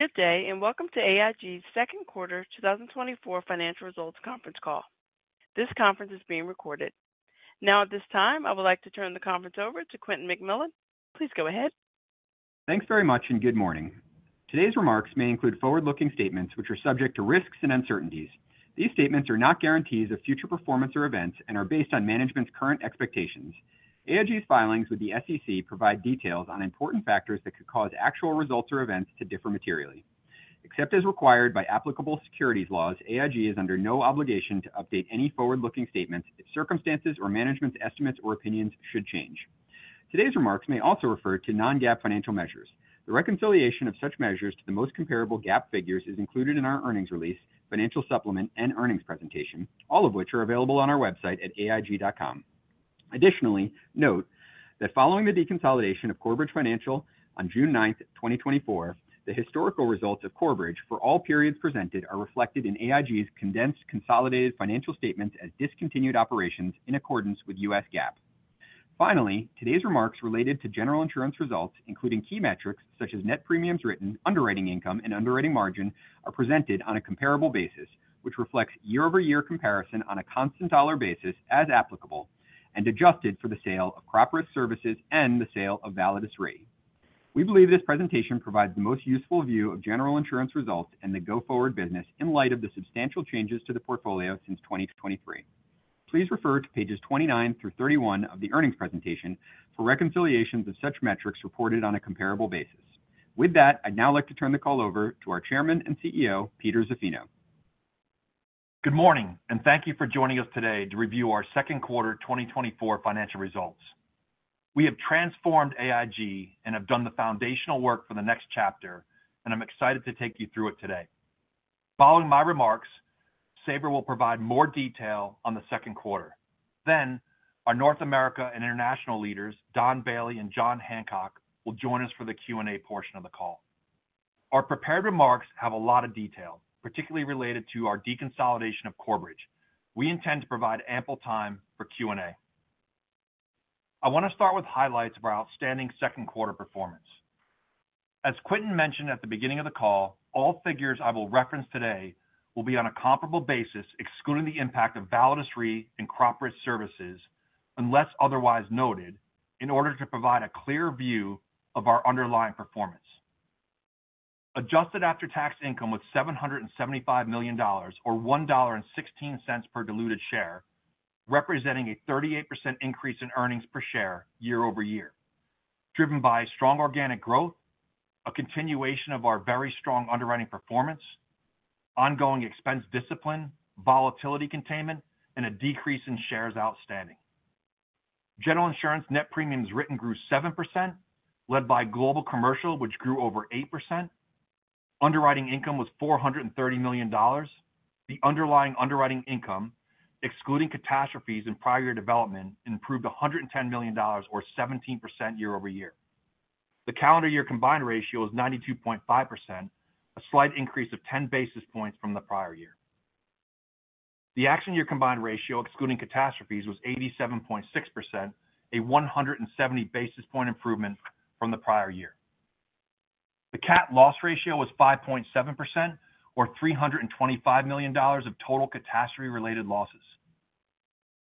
Good day, and welcome to AIG's second quarter 2024 financial results conference call. This conference is being recorded. Now, at this time, I would like to turn the conference over to Quentin McMillan. Please go ahead. Thanks very much, and good morning. Today's remarks may include forward-looking statements which are subject to risks and uncertainties. These statements are not guarantees of future performance or events and are based on management's current expectations. AIG's filings with the SEC provide details on important factors that could cause actual results or events to differ materially. Except as required by applicable securities laws, AIG is under no obligation to update any forward-looking statements if circumstances or management's estimates or opinions should change. Today's remarks may also refer to non-GAAP financial measures. The reconciliation of such measures to the most comparable GAAP figures is included in our earnings release, financial supplement, and earnings presentation, all of which are available on our website at aig.com. Additionally, note that following the deconsolidation of Corebridge Financial on June ninth, 2024, the historical results of Corebridge for all periods presented are reflected in AIG's condensed consolidated financial statements as discontinued operations in accordance with U.S. GAAP. Finally, today's remarks related to General Insurance results, including key metrics such as net premiums written, underwriting income, and underwriting margin, are presented on a comparable basis, which reflects year-over-year comparison on a constant dollar basis as applicable, and adjusted for the sale of Crop Risk Services and the sale of Validus Re. We believe this presentation provides the most useful view of General Insurance results and the go-forward business in light of the substantial changes to the portfolio since 2023. Please refer to pages 29 through 31 of the earnings presentation for reconciliations of such metrics reported on a comparable basis. With that, I'd now like to turn the call over to our Chairman and CEO, Peter Zaffino. Good morning, and thank you for joining us today to review our second quarter 2024 financial results. We have transformed AIG and have done the foundational work for the next chapter, and I'm excited to take you through it today. Following my remarks, Sabra will provide more detail on the second quarter. Then, our North America and international leaders, Don Bailey and Jon Hancock, will join us for the Q&A portion of the call. Our prepared remarks have a lot of detail, particularly related to our deconsolidation of Corebridge. We intend to provide ample time for Q&A. I want to start with highlights of our outstanding second quarter performance. As Quentin mentioned at the beginning of the call, all figures I will reference today will be on a comparable basis, excluding the impact of Validus Re and Crop Risk Services, unless otherwise noted, in order to provide a clear view of our underlying performance. Adjusted after-tax income was $775 million, or $1.16 per diluted share, representing a 38% increase in earnings per share year-over-year, driven by strong organic growth, a continuation of our very strong underwriting performance, ongoing expense discipline, volatility containment, and a decrease in shares outstanding. General Insurance net premiums written grew 7%, led by Global Commercial, which grew over 8%. Underwriting income was $430 million. The underlying underwriting income, excluding catastrophes and prior year development, improved $110 million or 17% year-over-year. The calendar year combined ratio is 92.5%, a slight increase of 10 basis points from the prior year. The accident year combined ratio, excluding catastrophes, was 87.6%, a 170 basis point improvement from the prior year. The cat loss ratio was 5.7% or $325 million of total catastrophe-related losses.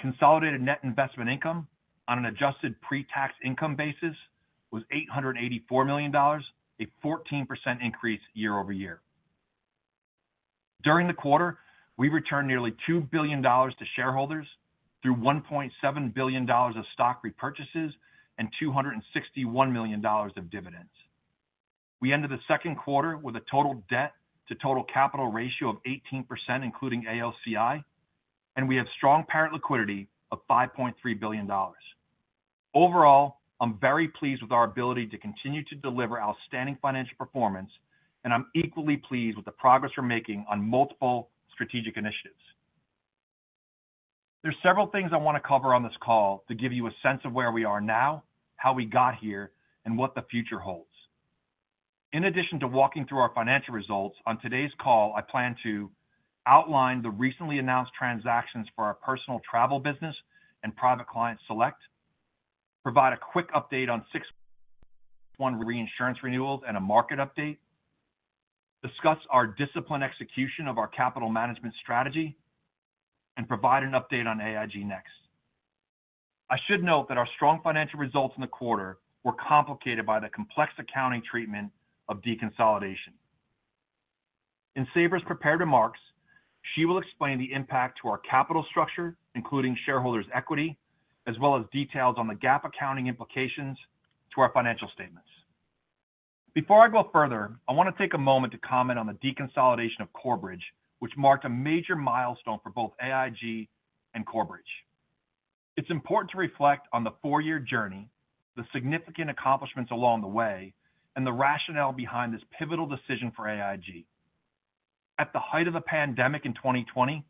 Consolidated net investment income on an adjusted pre-tax income basis was $884 million, a 14% increase year-over-year. During the quarter, we returned nearly $2 billion to shareholders through $1.7 billion of stock repurchases and $261 million of dividends. We ended the second quarter with a total debt to total capital ratio of 18%, including AOCI, and we have strong Parent liquidity of $5.3 billion. Overall, I'm very pleased with our ability to continue to deliver outstanding financial performance, and I'm equally pleased with the progress we're making on multiple strategic initiatives. There's several things I want to cover on this call to give you a sense of where we are now, how we got here, and what the future holds. In addition to walking through our financial results, on today's call, I plan to outline the recently announced transactions for our personal travel business and Private Client Select, provide a quick update on 6/1 reinsurance renewals and a market update, discuss our disciplined execution of our capital management strategy, and provide an update on AIG Next. I should note that our strong financial results in the quarter were complicated by the complex accounting treatment of deconsolidation. In Sabra's prepared remarks, she will explain the impact to our capital structure, including shareholders' equity, as well as details on the GAAP accounting implications to our financial statements. Before I go further, I want to take a moment to comment on the deconsolidation of Corebridge, which marked a major milestone for both AIG and Corebridge. It's important to reflect on the four-year journey, the significant accomplishments along the way, and the rationale behind this pivotal decision for AIG. At the height of the pandemic in 2020,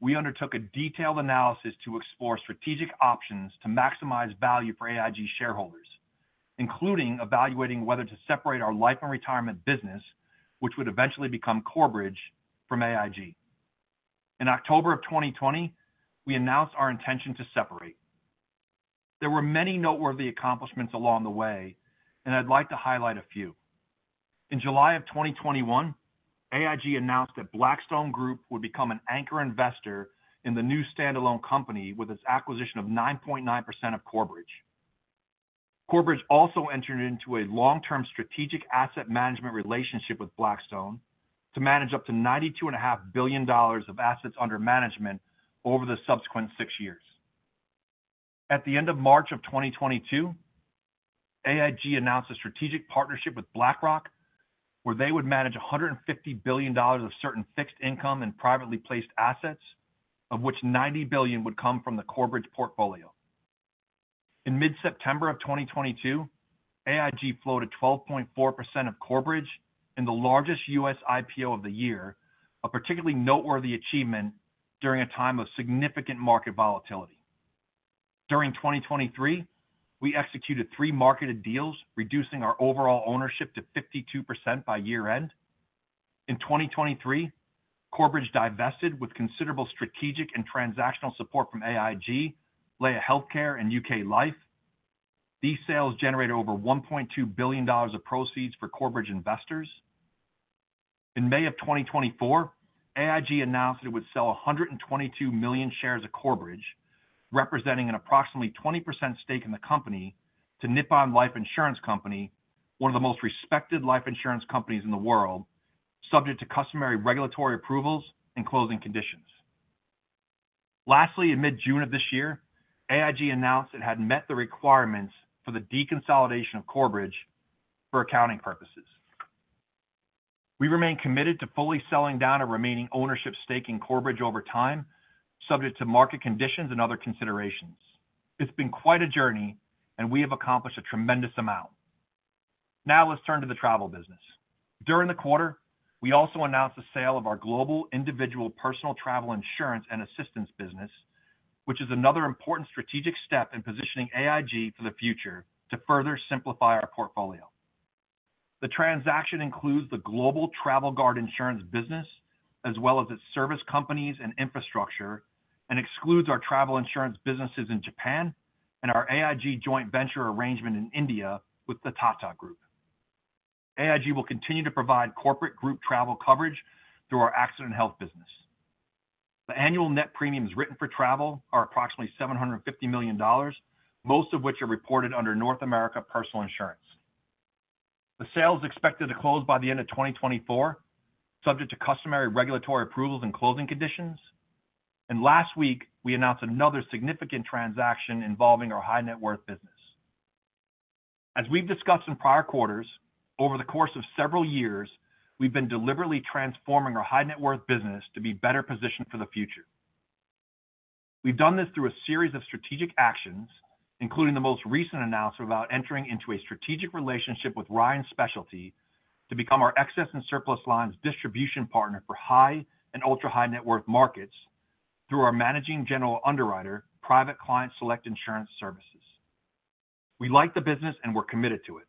we undertook a detailed analysis to explore strategic options to maximize value for AIG shareholders, including evaluating whether to separate our life and retirement business, which would eventually become Corebridge, from AIG. In October of 2020, we announced our intention to separate. There were many noteworthy accomplishments along the way, and I'd like to highlight a few. In July of 2021, AIG announced that Blackstone would become an anchor investor in the new standalone company, with its acquisition of 9.9% of Corebridge. Corebridge also entered into a long-term strategic asset management relationship with Blackstone, to manage up to $92.5 billion of assets under management over the subsequent six years. At the end of March of 2022, AIG announced a strategic partnership with BlackRock, where they would manage $150 billion of certain fixed income and privately placed assets, of which $90 billion would come from the Corebridge portfolio. In mid-September of 2022, AIG floated 12.4% of Corebridge in the largest U.S. IPO of the year, a particularly noteworthy achievement during a time of significant market volatility. During 2023, we executed three marketed deals, reducing our overall ownership to 52% by year-end. In 2023, Corebridge divested with considerable strategic and transactional support from AIG, Laya Healthcare, and UK Life. These sales generated over $1.2 billion of proceeds for Corebridge investors. In May of 2024, AIG announced that it would sell 122 million shares of Corebridge, representing an approximately 20% stake in the company, to Nippon Life Insurance Company, one of the most respected life insurance companies in the world, subject to customary regulatory approvals and closing conditions. Lastly, in mid-June of this year, AIG announced it had met the requirements for the deconsolidation of Corebridge for accounting purposes. We remain committed to fully selling down our remaining ownership stake in Corebridge over time, subject to market conditions and other considerations. It's been quite a journey, and we have accomplished a tremendous amount. Now, let's turn to the travel business. During the quarter, we also announced the sale of our global individual personal travel insurance and assistance business, which is another important strategic step in positioning AIG for the future to further simplify our portfolio. The transaction includes the global Travel Guard insurance business, as well as its service companies and infrastructure, and excludes our travel insurance businesses in Japan and our AIG joint venture arrangement in India with the Tata Group. AIG will continue to provide corporate group travel coverage through our Accident & Health business. The annual net premiums written for travel are approximately $750 million, most of which are reported under North America Personal Insurance. The sale is expected to close by the end of 2024, subject to customary regulatory approvals and closing conditions. Last week, we announced another significant transaction involving our high net worth business. As we've discussed in prior quarters, over the course of several years, we've been deliberately transforming our high net worth business to be better positioned for the future. We've done this through a series of strategic actions, including the most recent announcement about entering into a strategic relationship with Ryan Specialty, to become our excess and surplus lines distribution partner for high and ultra-high net worth markets through our managing general underwriter, Private Client Select Insurance Services. We like the business and we're committed to it.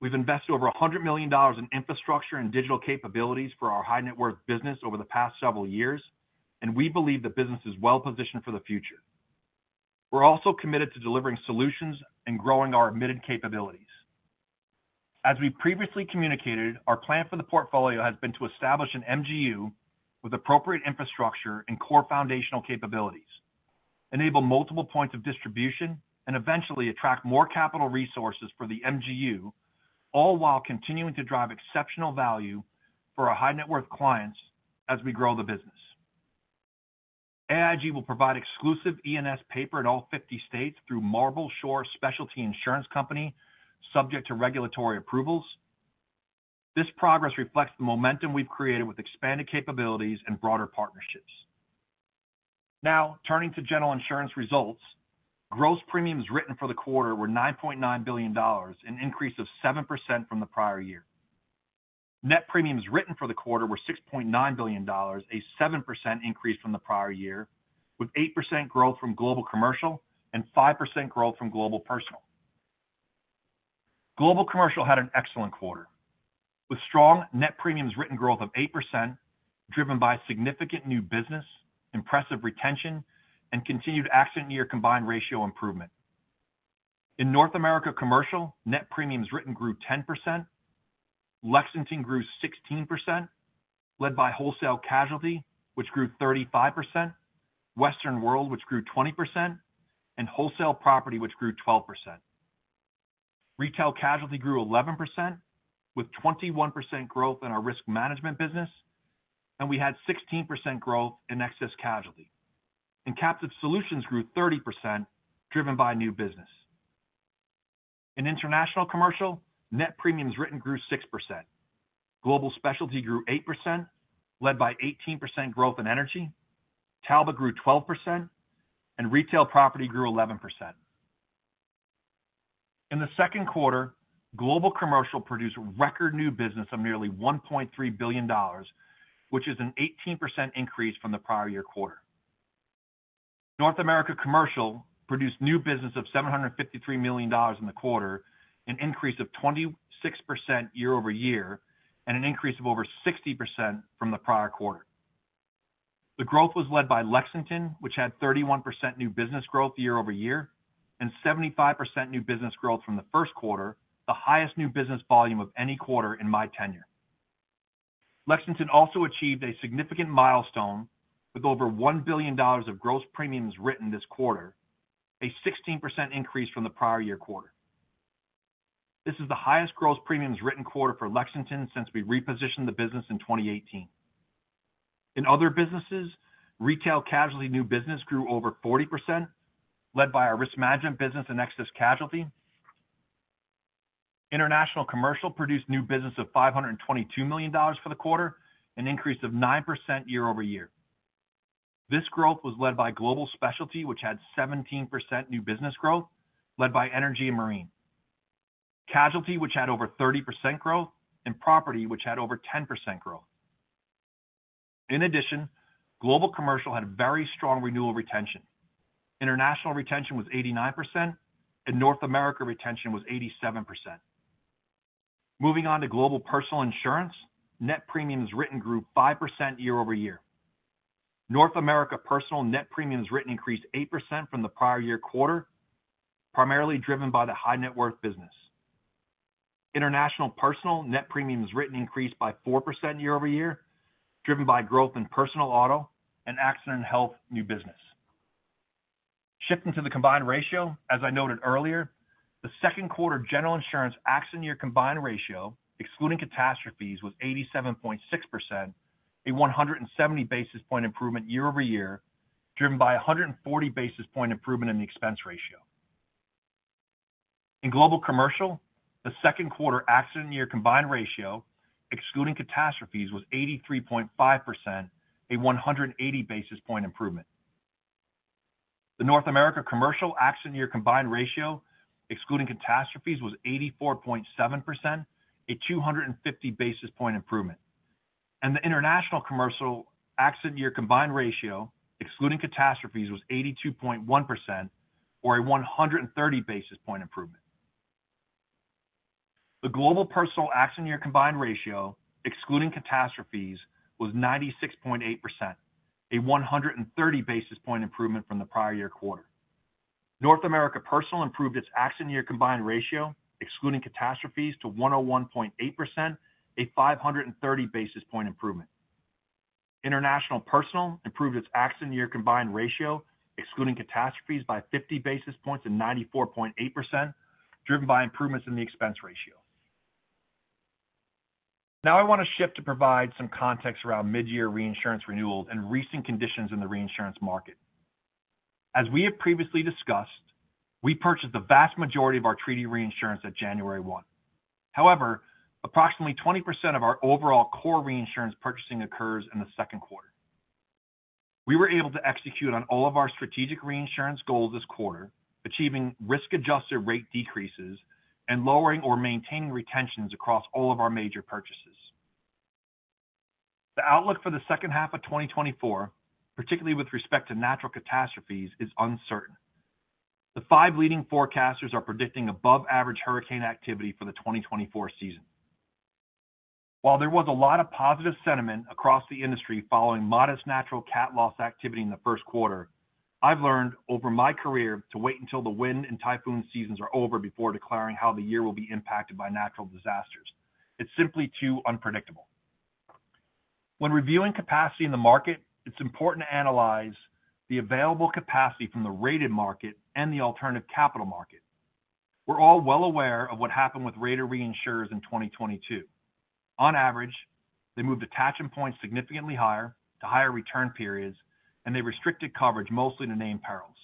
We've invested over $100 million in infrastructure and digital capabilities for our high net worth business over the past several years, and we believe the business is well-positioned for the future. We're also committed to delivering solutions and growing our admitted capabilities. As we previously communicated, our plan for the portfolio has been to establish an MGU with appropriate infrastructure and core foundational capabilities, enable multiple points of distribution, and eventually attract more capital resources for the MGU, all while continuing to drive exceptional value for our high net worth clients as we grow the business. AIG will provide exclusive E&S paper in all 50 states through Marble Shore Specialty Insurance Company, subject to regulatory approvals. This progress reflects the momentum we've created with expanded capabilities and broader partnerships. Now, turning to General Insurance results. Gross premiums written for the quarter were $9.9 billion, an increase of 7% from the prior year. Net premiums written for the quarter were $6.9 billion, a 7% increase from the prior year, with 8% growth from Global Commercial and 5% growth from Global Personal. Global Commercial had an excellent quarter, with strong net premiums written growth of 8%, driven by significant new business, impressive retention, and continued accident year combined ratio improvement. In North America, Commercial net premiums written grew 10%. Lexington grew 16%, led by Wholesale Casualty, which grew 35%, Western World, which grew 20%, and Wholesale Property, which grew 12%. Retail Casualty grew 11%, with 21% growth in our risk management business, and we had 16% growth in Excess Casualty. Captive Solutions grew 30%, driven by new business. In International Commercial, net premiums written grew 6%. Global Specialty grew 8%, led by 18% growth in Energy. Talbot grew 12%, and Retail Property grew 11%. In the second quarter, Global Commercial produced record new business of nearly $1.3 billion, which is an 18% increase from the prior year quarter. North America Commercial produced new business of $753 million in the quarter, an increase of 26% year-over-year, and an increase of over 60% from the prior quarter. The growth was led by Lexington, which had 31% new business growth year-over-year, and 75% new business growth from the first quarter, the highest new business volume of any quarter in my tenure. Lexington also achieved a significant milestone with over $1 billion of gross premiums written this quarter, a 16% increase from the prior year quarter. This is the highest gross premiums written quarter for Lexington since we repositioned the business in 2018. In other businesses, retail casualty new business grew over 40%, led by our risk management business and excess casualty. International Commercial produced new business of $522 million for the quarter, an increase of 9% year-over-year. This growth was led by Global Specialty, which had 17% new business growth, led by Energy and Marine. Casualty, which had over 30% growth, and Property, which had over 10% growth. In addition, Global Commercial had a very strong renewal retention. International retention was 89%, and North America retention was 87%. Moving on to Global Personal Insurance, net premiums written grew 5% year-over-year. North America Personal net premiums written increased 8% from the prior year quarter, primarily driven by the high net worth business. Global Personal net premiums written increased by 4% year-over-year, driven by growth in personal auto and accident and health new business. Shifting to the combined ratio, as I noted earlier, the second quarter General Insurance accident year combined ratio, excluding catastrophes, was 87.6%, a 170 basis point improvement year-over-year, driven by a 140 basis point improvement in the expense ratio. In Global Commercial, the second quarter accident year combined ratio, excluding catastrophes, was 83.5%, a 180 basis point improvement. The North America Commercial accident year combined ratio, excluding catastrophes, was 84.7%, a 250 basis point improvement, and the International Commercial accident year combined ratio, excluding catastrophes, was 82.1%, or a 130 basis point improvement. The Global Personal accident year combined ratio, excluding catastrophes, was 96.8%, a 130 basis point improvement from the prior year quarter. North America Personal improved its accident year combined ratio, excluding catastrophes, to 101.8%, a 530 basis point improvement. International Personal improved its accident year combined ratio, excluding catastrophes, by 50 basis points to 94.8%, driven by improvements in the expense ratio. Now I want to shift to provide some context around mid-year reinsurance renewals and recent conditions in the reinsurance market. As we have previously discussed, we purchased the vast majority of our treaty reinsurance at January 1. However, approximately 20% of our overall core reinsurance purchasing occurs in the second quarter. We were able to execute on all of our strategic reinsurance goals this quarter, achieving risk-adjusted rate decreases and lowering or maintaining retentions across all of our major purchases. The outlook for the second half of 2024, particularly with respect to natural catastrophes, is uncertain. The five leading forecasters are predicting above-average hurricane activity for the 2024 season. While there was a lot of positive sentiment across the industry following modest natural cat loss activity in the first quarter, I've learned over my career to wait until the wind and typhoon seasons are over before declaring how the year will be impacted by natural disasters. It's simply too unpredictable. When reviewing capacity in the market, it's important to analyze the available capacity from the rated market and the alternative capital market. We're all well aware of what happened with rated reinsurers in 2022. On average, they moved attachment points significantly higher to higher return periods, and they restricted coverage mostly to named perils.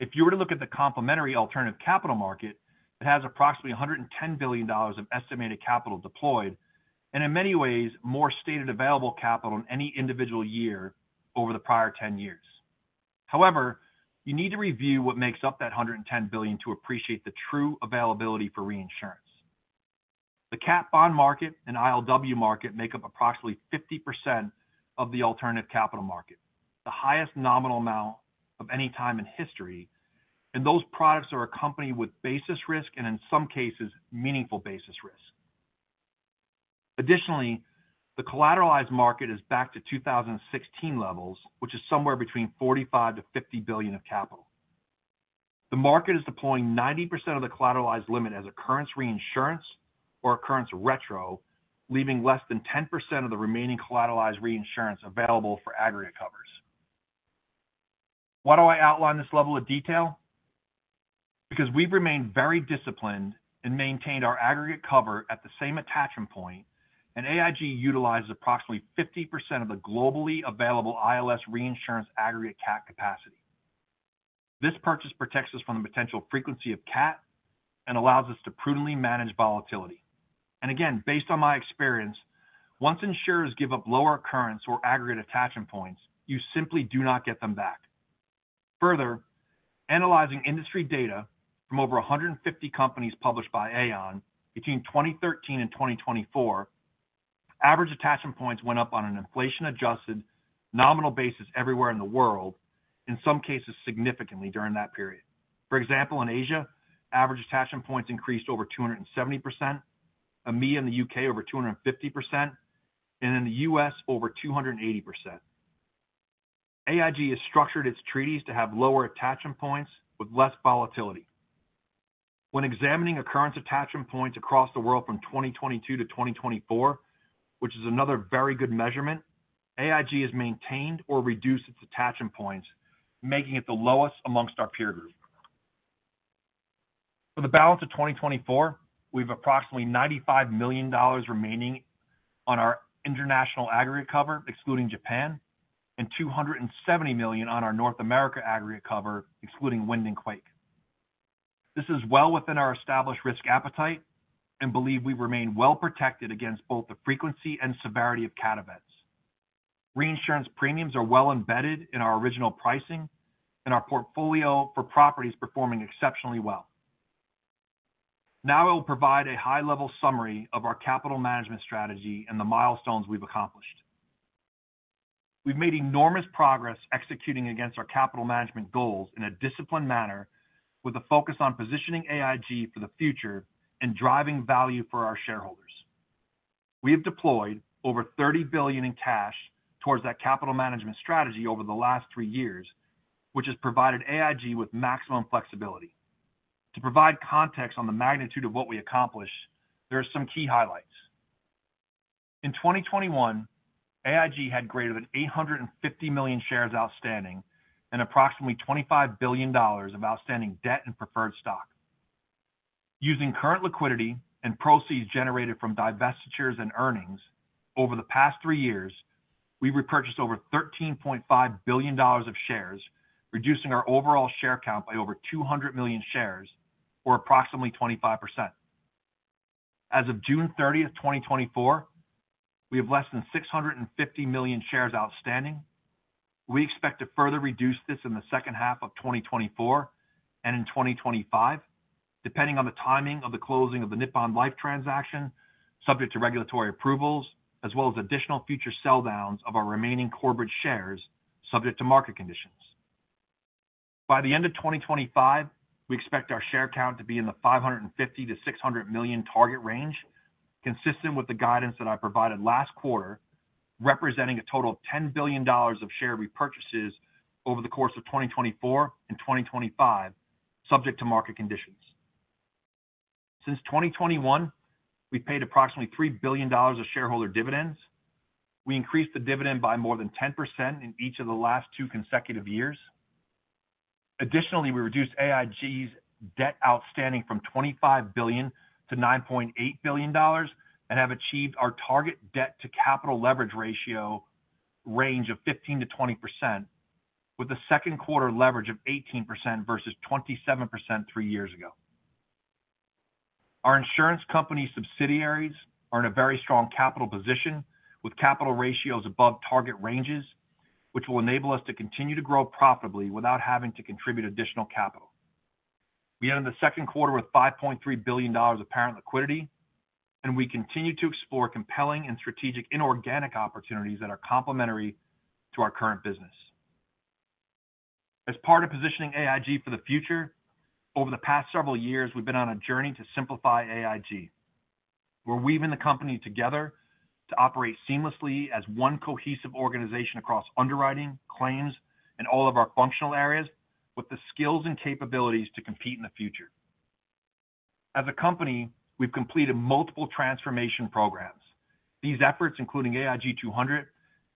If you were to look at the complementary alternative capital market, it has approximately $110 billion of estimated capital deployed, and in many ways, more stated available capital in any individual year over the prior 10 years. However, you need to review what makes up that $110 billion to appreciate the true availability for reinsurance. The cat bond market and ILW market make up approximately 50% of the alternative capital market, the highest nominal amount of any time in history, and those products are accompanied with basis risk and, in some cases, meaningful basis risk. Additionally, the collateralized market is back to 2016 levels, which is somewhere between $45 billion-$50 billion of capital. The market is deploying 90% of the collateralized limit as occurrence reinsurance or occurrence retro, leaving less than 10% of the remaining collateralized reinsurance available for aggregate covers. Why do I outline this level of detail? Because we've remained very disciplined and maintained our aggregate cover at the same attachment point, and AIG utilizes approximately 50% of the globally available ILS reinsurance aggregate cat capacity. This purchase protects us from the potential frequency of cat and allows us to prudently manage volatility. Again, based on my experience, once insurers give up lower occurrence or aggregate attachment points, you simply do not get them back. Further, analyzing industry data from over 150 companies published by Aon, between 2013 and 2024, average attachment points went up on an inflation-adjusted nominal basis everywhere in the world, in some cases significantly during that period. For example, in Asia, average attachment points increased over 270%. And in the Middle East, in the U.K. over 250%, and in the U.S. over 280%. AIG has structured its treaties to have lower attachment points with less volatility. When examining occurrence attachment points across the world from 2022 to 2024, which is another very good measurement, AIG has maintained or reduced its attachment points, making it the lowest amongst our peer group. For the balance of 2024, we've approximately $95 million remaining on our international aggregate cover, excluding Japan, and $270 million on our North America aggregate cover, excluding wind and quake. This is well within our established risk appetite and believe we remain well protected against both the frequency and severity of cat events. Reinsurance premiums are well embedded in our original pricing, and our portfolio for property is performing exceptionally well. Now I will provide a high-level summary of our capital management strategy and the milestones we've accomplished. We've made enormous progress executing against our capital management goals in a disciplined manner, with a focus on positioning AIG for the future and driving value for our shareholders. We have deployed over $30 billion in cash towards that capital management strategy over the last three years, which has provided AIG with maximum flexibility. To provide context on the magnitude of what we accomplished, there are some key highlights. In 2021, AIG had greater than 850 million shares outstanding and approximately $25 billion of outstanding debt and preferred stock. Using current liquidity and proceeds generated from divestitures and earnings, over the past three years, we've repurchased over $13.5 billion of shares, reducing our overall share count by over 200 million shares or approximately 25%. As of June thirtieth, 2024, we have less than 650 million shares outstanding. We expect to further reduce this in the second half of 2024 and in 2025, depending on the timing of the closing of the Nippon Life transaction, subject to regulatory approvals, as well as additional future sell downs of our remaining Corebridge shares, subject to market conditions. By the end of 2025, we expect our share count to be in the 550-600 million target range, consistent with the guidance that I provided last quarter, representing a total of $10 billion of share repurchases over the course of 2024 and 2025, subject to market conditions. Since 2021, we've paid approximately $3 billion of shareholder dividends. We increased the dividend by more than 10% in each of the last two consecutive years. Additionally, we reduced AIG's debt outstanding from $25 billion to $9.8 billion and have achieved our target debt to capital leverage ratio range of 15%-20%, with a second quarter leverage of 18% versus 27% three years ago. Our insurance company subsidiaries are in a very strong capital position, with capital ratios above target ranges, which will enable us to continue to grow profitably without having to contribute additional capital. We ended the second quarter with $5.3 billion of Parent liquidity, and we continue to explore compelling and strategic inorganic opportunities that are complementary to our current business. As part of positioning AIG for the future, over the past several years, we've been on a journey to simplify AIG. We're weaving the company together to operate seamlessly as one cohesive organization across underwriting, claims, and all of our functional areas, with the skills and capabilities to compete in the future. As a company, we've completed multiple transformation programs. These efforts, including AIG 200,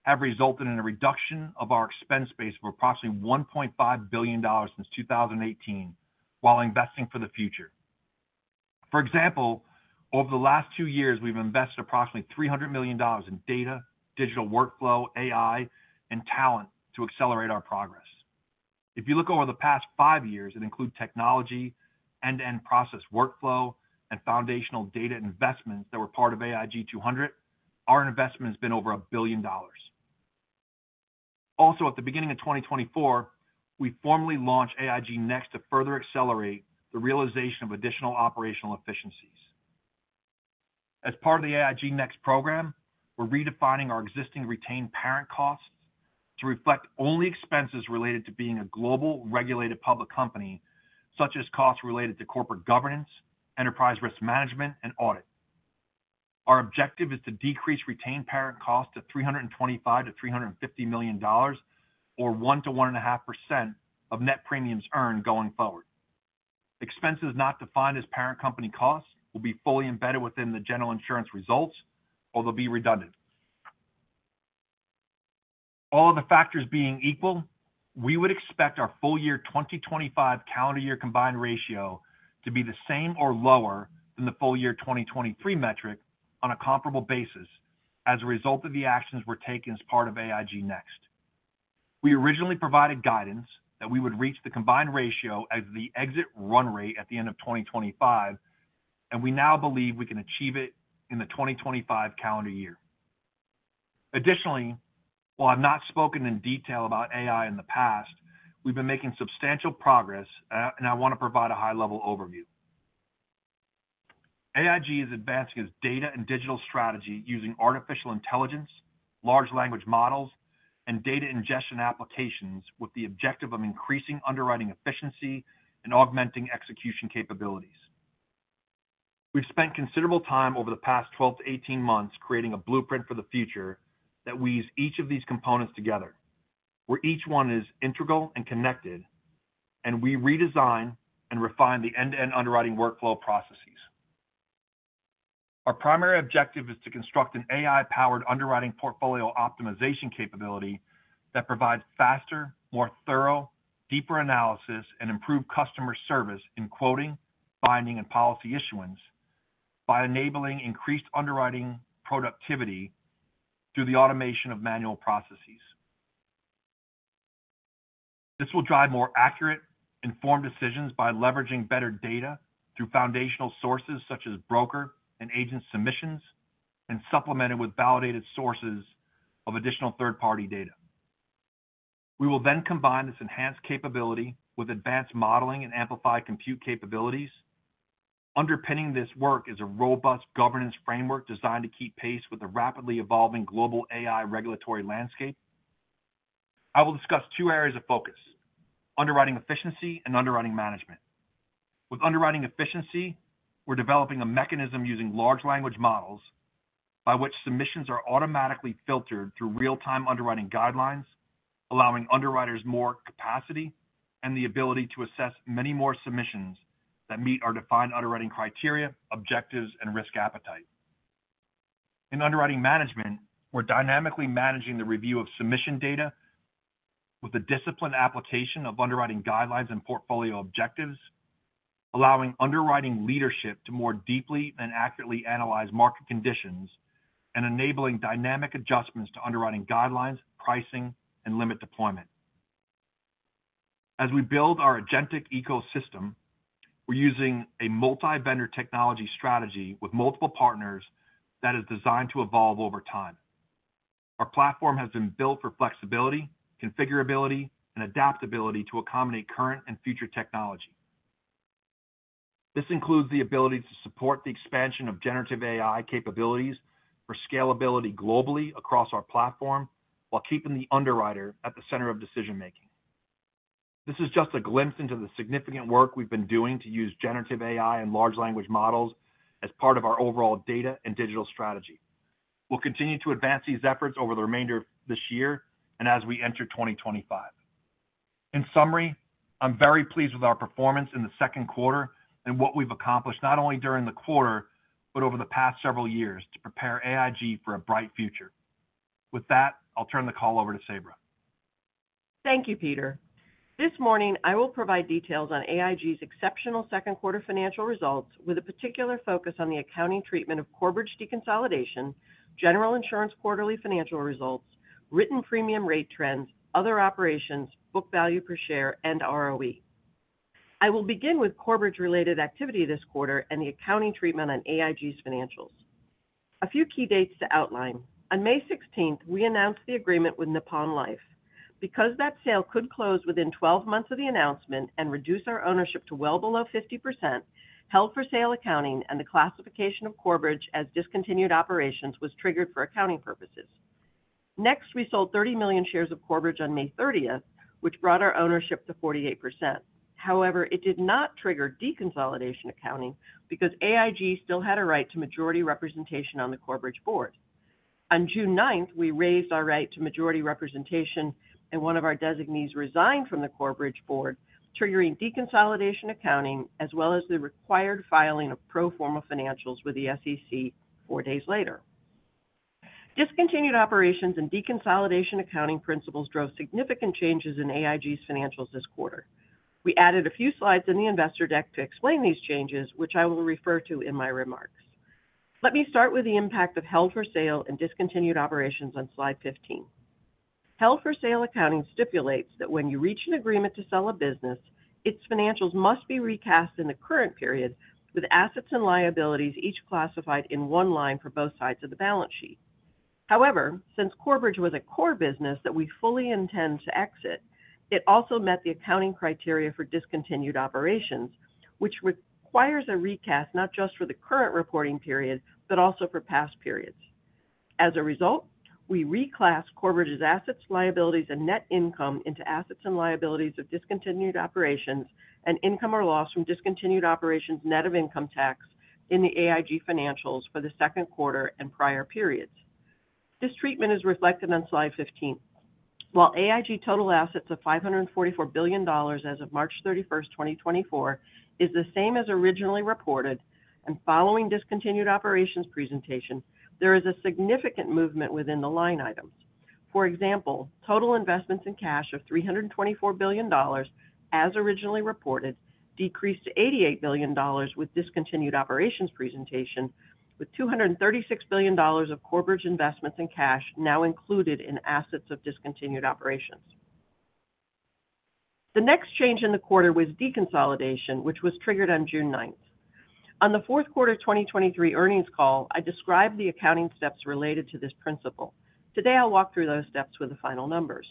have resulted in a reduction of our expense base of approximately $1.5 billion since 2018, while investing for the future. For example, over the last 2 years, we've invested approximately $300 million in data, digital workflow, AI, and talent to accelerate our progress. If you look over the past 5 years and include technology, end-to-end process workflow, and foundational data investments that were part of AIG 200, our investment has been over $1 billion. Also, at the beginning of 2024, we formally launched AIG Next to further accelerate the realization of additional operational efficiencies. As part of the AIG Next program, we're redefining our existing retained Parent costs to reflect only expenses related to being a global, regulated public company, such as costs related to corporate governance, enterprise risk management, and audit. Our objective is to decrease retained Parent costs to $325 million-$350 million, or 1%-1.5% of net premiums earned going forward. Expenses not defined as Parent company costs will be fully embedded within the General Insurance results, or they'll be redundant. All other factors being equal, we would expect our full year 2025 calendar year combined ratio to be the same or lower than the full year 2023 metric on a comparable basis as a result of the actions we're taking as part of AIG Next. We originally provided guidance that we would reach the combined ratio as the exit run rate at the end of 2025, and we now believe we can achieve it in the 2025 calendar year. Additionally, while I've not spoken in detail about AI in the past, we've been making substantial progress, and I want to provide a high-level overview. AIG is advancing its data and digital strategy using artificial intelligence, large language models, and data ingestion applications with the objective of increasing underwriting efficiency and augmenting execution capabilities. We've spent considerable time over the past 12-18 months creating a blueprint for the future that weaves each of these components together, where each one is integral and connected, and we redesign and refine the end-to-end underwriting workflow processes. Our primary objective is to construct an AI-powered underwriting portfolio optimization capability that provides faster, more thorough, deeper analysis and improved customer service in quoting, binding, and policy issuance by enabling increased underwriting productivity through the automation of manual processes. This will drive more accurate, informed decisions by leveraging better data through foundational sources, such as broker and agent submissions, and supplemented with validated sources of additional third-party data. We will then combine this enhanced capability with advanced modeling and amplified compute capabilities. Underpinning this work is a robust governance framework designed to keep pace with the rapidly evolving global AI regulatory landscape. I will discuss two areas of focus: underwriting efficiency and underwriting management. With underwriting efficiency, we're developing a mechanism using large language models, by which submissions are automatically filtered through real-time underwriting guidelines, allowing underwriters more capacity and the ability to assess many more submissions that meet our defined underwriting criteria, objectives, and risk appetite. In underwriting management, we're dynamically managing the review of submission data with a disciplined application of underwriting guidelines and portfolio objectives, allowing underwriting leadership to more deeply and accurately analyze market conditions and enabling dynamic adjustments to underwriting guidelines, pricing, and limit deployment. As we build our agentic ecosystem, we're using a multi-vendor technology strategy with multiple partners that is designed to evolve over time. Our platform has been built for flexibility, configurability, and adaptability to accommodate current and future technology. This includes the ability to support the expansion of generative AI capabilities for scalability globally across our platform, while keeping the underwriter at the center of decision-making. This is just a glimpse into the significant work we've been doing to use generative AI and large language models as part of our overall data and digital strategy. We'll continue to advance these efforts over the remainder of this year and as we enter 2025. In summary, I'm very pleased with our performance in the second quarter and what we've accomplished, not only during the quarter, but over the past several years to prepare AIG for a bright future. With that, I'll turn the call over to Sabra. Thank you, Peter. This morning, I will provide details on AIG's exceptional second quarter financial results, with a particular focus on the accounting treatment of Corebridge deconsolidation, General Insurance, quarterly financial results, written premium rate trends, Other Operations, book value per share, and ROE. I will begin with Corebridge-related activity this quarter and the accounting treatment on AIG's financials. A few key dates to outline. On May sixteenth, we announced the agreement with Nippon Life. Because that sale could close within 12 months of the announcement and reduce our ownership to well below 50%, held for sale accounting and the classification of Corebridge as discontinued operations was triggered for accounting purposes. Next, we sold 30 million shares of Corebridge on May thirtieth, which brought our ownership to 48%. However, it did not trigger deconsolidation accounting because AIG still had a right to majority representation on the Corebridge board. On June ninth, we raised our right to majority representation, and one of our designees resigned from the Corebridge board, triggering deconsolidation accounting, as well as the required filing of pro forma financials with the SEC four days later. Discontinued operations and deconsolidation accounting principles drove significant changes in AIG's financials this quarter. We added a few slides in the investor deck to explain these changes, which I will refer to in my remarks. Let me start with the impact of held for sale and discontinued operations on slide 15. Held for sale accounting stipulates that when you reach an agreement to sell a business, its financials must be recast in the current period, with assets and liabilities each classified in one line for both sides of the balance sheet. However, since Corebridge was a core business that we fully intend to exit, it also met the accounting criteria for discontinued operations, which requires a recast not just for the current reporting period, but also for past periods. As a result, we reclassed Corebridge's assets, liabilities, and net income into assets and liabilities of discontinued operations and income or loss from discontinued operations net of income tax in the AIG financials for the second quarter and prior periods. This treatment is reflected on slide 15. While AIG total assets of $544 billion as of March 31, 2024, is the same as originally reported, and following discontinued operations presentation, there is a significant movement within the line items. For example, total investments in cash of $324 billion, as originally reported, decreased to $88 billion, with discontinued operations presentation, with $236 billion of Corebridge investments and cash now included in assets of discontinued operations. The next change in the quarter was deconsolidation, which was triggered on June ninth. On the fourth quarter 2023 earnings call, I described the accounting steps related to this principle. Today, I'll walk through those steps with the final numbers.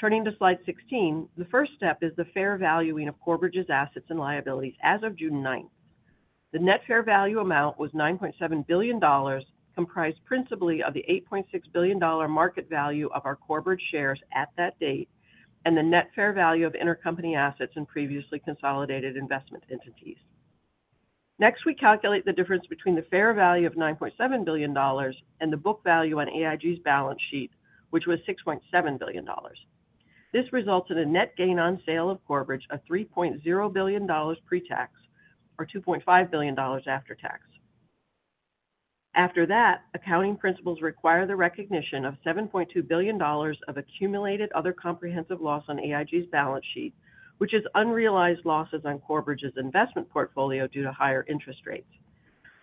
Turning to slide 16, the first step is the fair valuing of Corebridge's assets and liabilities as of June ninth. The net fair value amount was $9.7 billion, comprised principally of the $8.6 billion market value of our Corebridge shares at that date, and the net fair value of intercompany assets in previously consolidated investment entities. Next, we calculate the difference between the fair value of $9.7 billion and the book value on AIG's balance sheet, which was $6.7 billion. This results in a net gain on sale of Corebridge of $3.0 billion pre-tax, or $2.5 billion after tax. After that, accounting principles require the recognition of $7.2 billion of accumulated other comprehensive loss on AIG's balance sheet, which is unrealized losses on Corebridge's investment portfolio due to higher interest rates.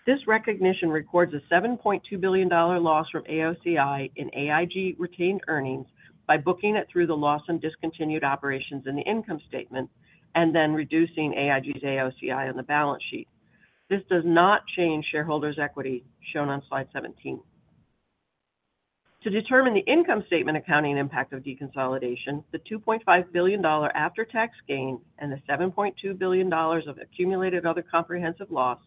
This recognition records a $7.2 billion dollar loss from AOCI in AIG retained earnings by booking it through the loss on discontinued operations in the income statement and then reducing AIG's AOCI on the balance sheet. This does not change shareholders' equity shown on slide 17. To determine the income statement accounting impact of deconsolidation, the $2.5 billion after-tax gain and the $7.2 billion of accumulated other comprehensive loss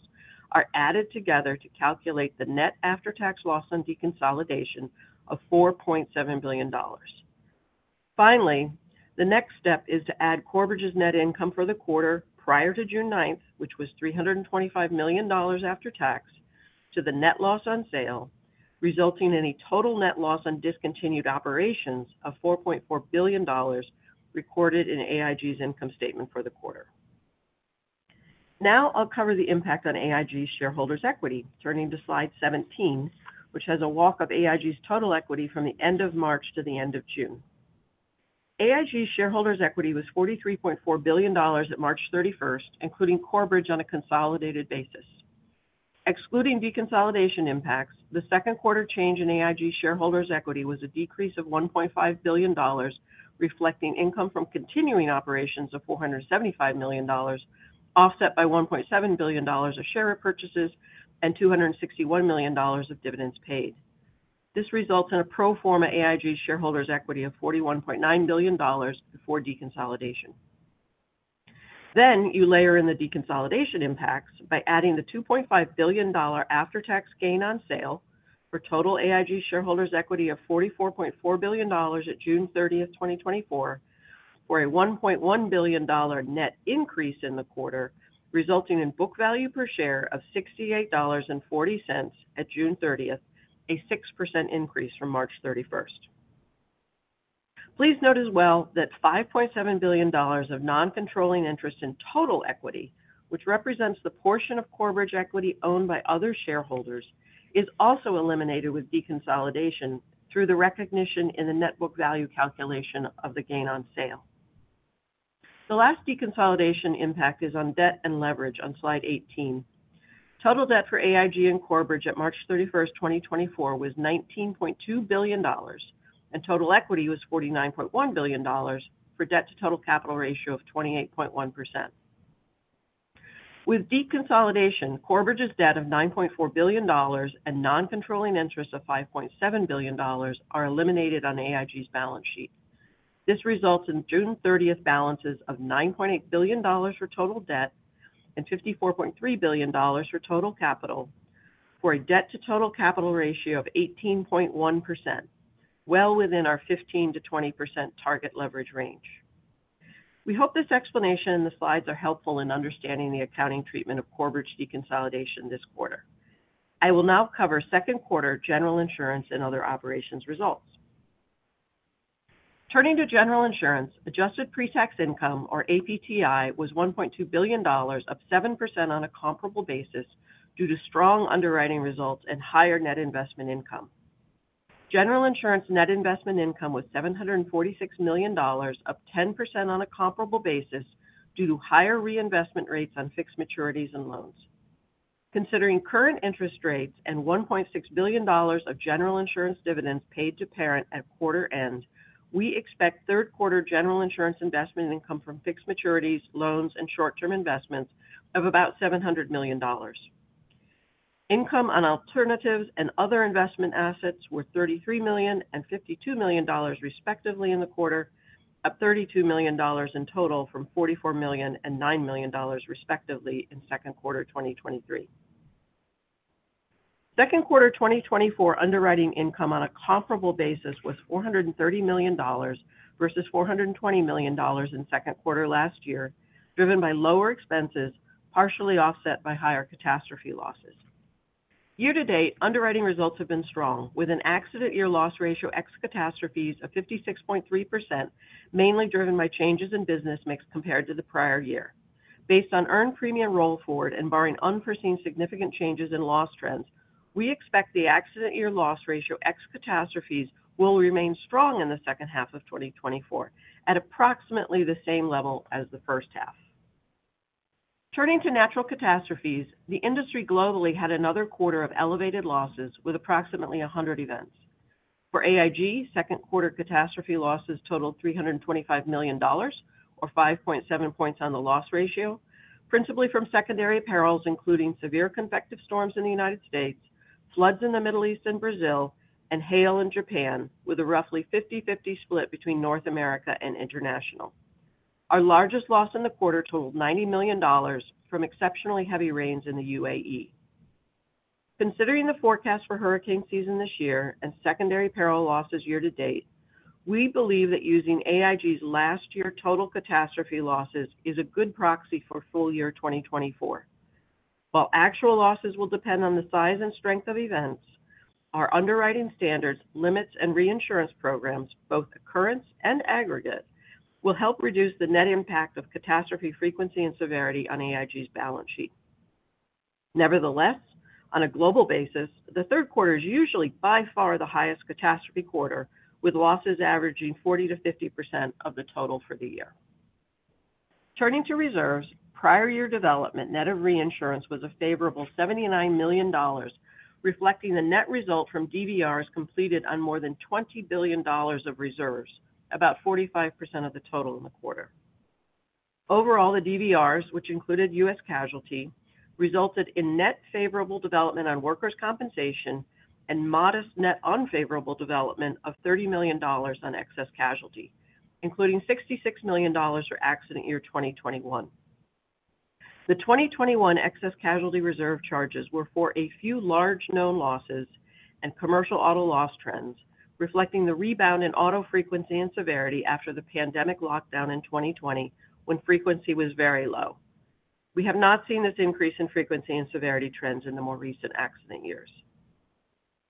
are added together to calculate the net after-tax loss on deconsolidation of $4.7 billion. Finally, the next step is to add Corebridge's net income for the quarter prior to June ninth, which was $325 million after tax, to the net loss on sale, resulting in a total net loss on discontinued operations of $4.4 billion, recorded in AIG's income statement for the quarter. Now I'll cover the impact on AIG's shareholders' equity. Turning to slide 17, which has a walk of AIG's total equity from the end of March to the end of June. AIG's shareholders' equity was $43.4 billion at March thirty-first, including Corebridge, on a consolidated basis. Excluding deconsolidation impacts, the second quarter change in AIG shareholders' equity was a decrease of $1.5 billion, reflecting income from continuing operations of $475 million, offset by $1.7 billion of share repurchases and $261 million of dividends paid. This results in a pro forma AIG shareholders' equity of $41.9 billion before deconsolidation. Then, you layer in the deconsolidation impacts by adding the $2.5 billion after-tax gain on sale for total AIG shareholders' equity of $44.4 billion at June thirtieth, 2024, for a $1.1 billion net increase in the quarter, resulting in book value per share of $68.40 at June thirtieth, a 6% increase from March thirty-first. Please note as well that $5.7 billion of non-controlling interest in total equity, which represents the portion of Corebridge equity owned by other shareholders, is also eliminated with deconsolidation through the recognition in the net book value calculation of the gain on sale. The last deconsolidation impact is on debt and leverage on Slide 18. Total debt for AIG and Corebridge at March 31, 2024, was $19.2 billion, and total equity was $49.1 billion, for debt to total capital ratio of 28.1%. With deconsolidation, Corebridge's debt of $9.4 billion and non-controlling interest of $5.7 billion are eliminated on AIG's balance sheet. This results in June 30 balances of $9.8 billion for total debt and $54.3 billion for total capital, for a debt to total capital ratio of 18.1%, well within our 15%-20% target leverage range. We hope this explanation and the slides are helpful in understanding the accounting treatment of Corebridge deconsolidation this quarter. I will now cover second quarter General Insurance and Other Operations results. Turning to General Insurance, adjusted pretax income, or APTI, was $1.2 billion, up 7% on a comparable basis due to strong underwriting results and higher net investment income. General Insurance net investment income was $746 million, up 10% on a comparable basis due to higher reinvestment rates on fixed maturities and loans. Considering current interest rates and $1.6 billion of General Insurance dividends paid to Parent at quarter end, we expect third quarter General Insurance investment income from fixed maturities, loans, and short-term investments of about $700 million. Income on alternatives and other investment assets were $33 million and $52 million, respectively, in the quarter, up $32 million in total from $44 million and $9 million, respectively, in second quarter 2023. Second quarter 2024 underwriting income on a comparable basis was $430 million versus $420 million in second quarter last year, driven by lower expenses, partially offset by higher catastrophe losses. Year to date, underwriting results have been strong, with an accident year loss ratio ex catastrophes of 56.3%, mainly driven by changes in business mix compared to the prior year. Based on earned premium roll forward and barring unforeseen significant changes in loss trends, we expect the accident year loss ratio ex catastrophes will remain strong in the second half of 2024 at approximately the same level as the first half. Turning to natural catastrophes, the industry globally had another quarter of elevated losses with approximately 100 events. For AIG, second quarter catastrophe losses totaled $325 million, or 5.7 points on the loss ratio, principally from secondary perils, including severe convective storms in the United States, floods in the Middle East and Brazil, and hail in Japan, with a roughly 50/50 split between North America and international. Our largest loss in the quarter totaled $90 million from exceptionally heavy rains in the UAE. Considering the forecast for hurricane season this year and secondary peril losses year to date, we believe that using AIG's last year total catastrophe losses is a good proxy for full year 2024. While actual losses will depend on the size and strength of events, our underwriting standards, limits, and reinsurance programs, both occurrence and aggregate, will help reduce the net impact of catastrophe frequency and severity on AIG's balance sheet. Nevertheless, on a global basis, the third quarter is usually by far the highest catastrophe quarter, with losses averaging 40%-50% of the total for the year. Turning to reserves, prior year development, net of reinsurance, was a favorable $79 million, reflecting the net result from DVRs completed on more than $20 billion of reserves, about 45% of the total in the quarter. Overall, the DVRs, which included U.S. casualty, resulted in net favorable development on workers' compensation and modest net unfavorable development of $30 million on excess casualty, including $66 million for accident year 2021. The 2021 excess casualty reserve charges were for a few large known losses and commercial auto loss trends, reflecting the rebound in auto frequency and severity after the pandemic lockdown in 2020, when frequency was very low. We have not seen this increase in frequency and severity trends in the more recent accident years.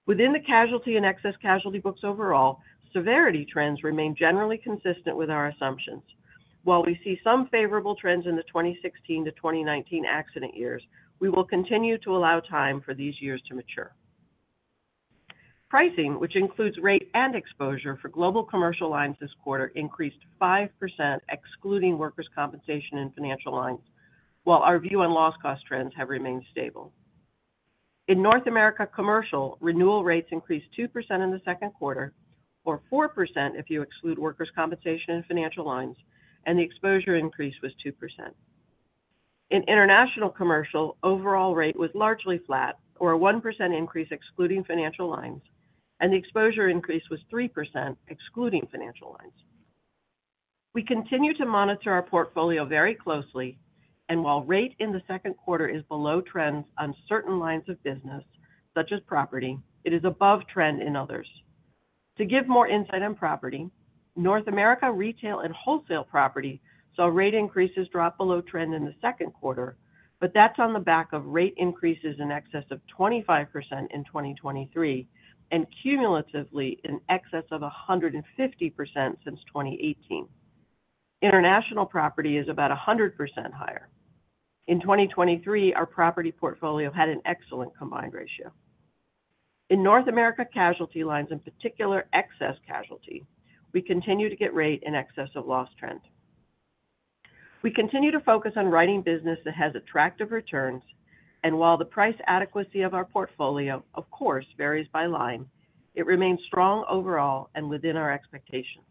Within the casualty and excess casualty books overall, severity trends remain generally consistent with our assumptions. While we see some favorable trends in the 2016 to 2019 accident years, we will continue to allow time for these years to mature. Pricing, which includes rate and exposure for global commercial lines this quarter, increased 5%, excluding workers' compensation and financial lines, while our view on loss cost trends have remained stable. In North America commercial, renewal rates increased 2% in the second quarter, or 4% if you exclude workers' compensation and financial lines, and the exposure increase was 2%. In international commercial, overall rate was largely flat or a 1% increase, excluding financial lines, and the exposure increase was 3%, excluding financial lines. We continue to monitor our portfolio very closely, and while rate in the second quarter is below trends on certain lines of business, such as property, it is above trend in others. To give more insight on property, North America retail and wholesale property saw rate increases drop below trend in the second quarter, but that's on the back of rate increases in excess of 25% in 2023, and cumulatively, in excess of 150% since 2018. International property is about 100% higher. In 2023, our property portfolio had an excellent combined ratio. In North America casualty lines, in particular, excess casualty, we continue to get rate in excess of loss trend. We continue to focus on writing business that has attractive returns, and while the price adequacy of our portfolio, of course, varies by line, it remains strong overall and within our expectations.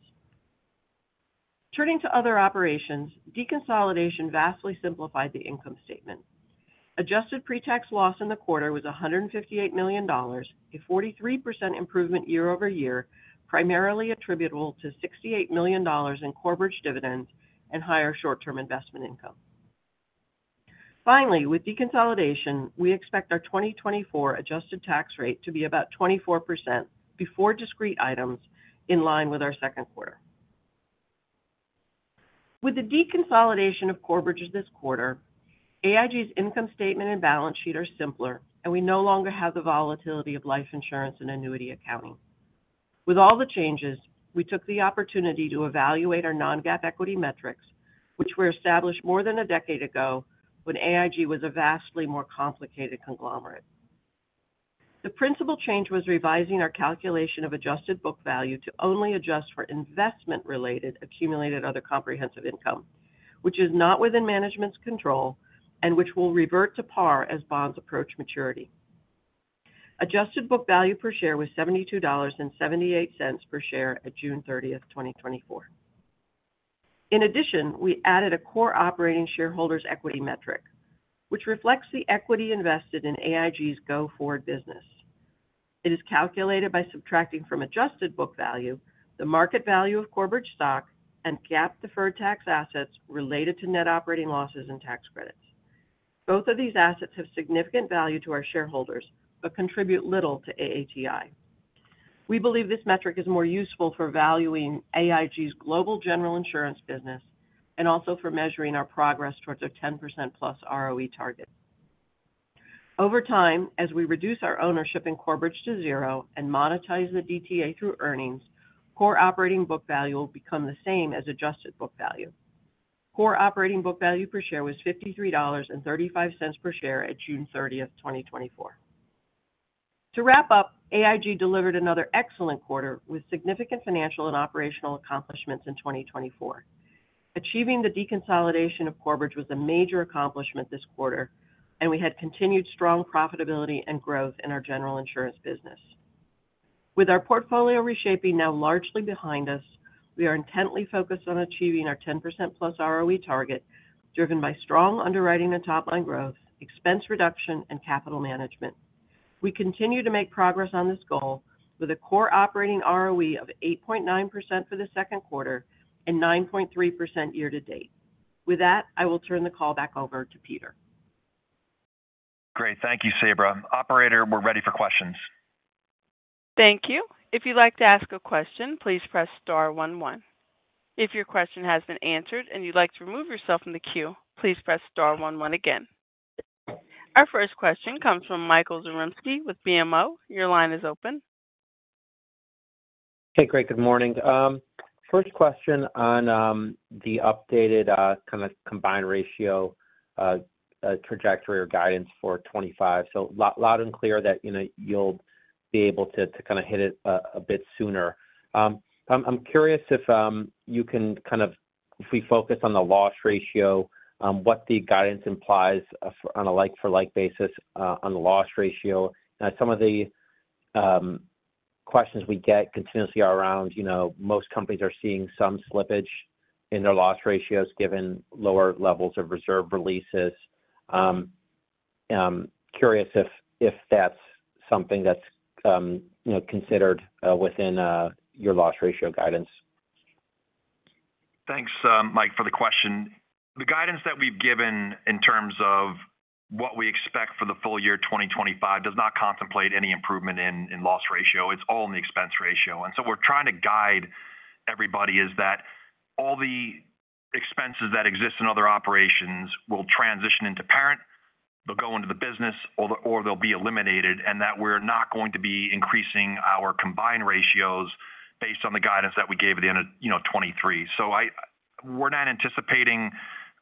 Turning to Other Operations, deconsolidation vastly simplified the income statement. Adjusted pretax loss in the quarter was $158 million, a 43% improvement year-over-year, primarily attributable to $68 million in Corebridge dividends and higher short-term investment income. Finally, with deconsolidation, we expect our 2024 adjusted tax rate to be about 24% before discrete items in line with our second quarter. With the deconsolidation of Corebridge this quarter, AIG's income statement and balance sheet are simpler, and we no longer have the volatility of life insurance and annuity accounting. With all the changes, we took the opportunity to evaluate our non-GAAP equity metrics, which were established more than a decade ago when AIG was a vastly more complicated conglomerate. The principal change was revising our calculation of adjusted book value to only adjust for investment-related accumulated other comprehensive income, which is not within management's control and which will revert to par as bonds approach maturity. Adjusted book value per share was $72.78 per share at June 30, 2024. In addition, we added a core operating shareholders' equity metric, which reflects the equity invested in AIG's go-forward business. It is calculated by subtracting from adjusted book value, the market value of Corebridge stock and GAAP deferred tax assets related to net operating losses and tax credits. Both of these assets have significant value to our shareholders, but contribute little to AIG. We believe this metric is more useful for valuing AIG's global General Insurance business and also for measuring our progress towards a 10%+ ROE target. Over time, as we reduce our ownership in Corebridge to zero and monetize the DTA through earnings, core operating book value will become the same as adjusted book value. Core operating book value per share was $53.35 per share at June thirtieth, 2024. To wrap up, AIG delivered another excellent quarter with significant financial and operational accomplishments in 2024. Achieving the deconsolidation of Corebridge was a major accomplishment this quarter, and we had continued strong profitability and growth in our General Insurance business. With our portfolio reshaping now largely behind us, we are intently focused on achieving our 10%+ ROE target, driven by strong underwriting and top-line growth, expense reduction, and capital management. We continue to make progress on this goal with a core operating ROE of 8.9% for the second quarter and 9.3% year to date. With that, I will turn the call back over to Peter. Great, thank you, Sabra. Operator, we're ready for questions. Thank you. If you'd like to ask a question, please press star 11. If your question has been answered and you'd like to remove yourself from the queue, please press star 11 again. Our first question comes from Michael Zaremski with BMO. Your line is open. Hey, great, good morning. First question on the updated kind of combined ratio trajectory or guidance for 2025. So loud and clear that, you know, you'll be able to kind of hit it a bit sooner. I'm curious if you can kind of—if we focus on the loss ratio, what the guidance implies of, on a like for like basis, on the loss ratio. Now, some of the questions we get continuously are around, you know, most companies are seeing some slippage in their loss ratios given lower levels of reserve releases. Curious if that's something that's, you know, considered within your loss ratio guidance? Thanks, Mike, for the question. The guidance that we've given in terms of what we expect for the full year 2025 does not contemplate any improvement in loss ratio. It's all in the expense ratio. And so we're trying to guide everybody is that all the expenses that exist in Other Operations will transition into Parent. They'll go into the business or or they'll be eliminated, and that we're not going to be increasing our combined ratios based on the guidance that we gave at the end of, you know,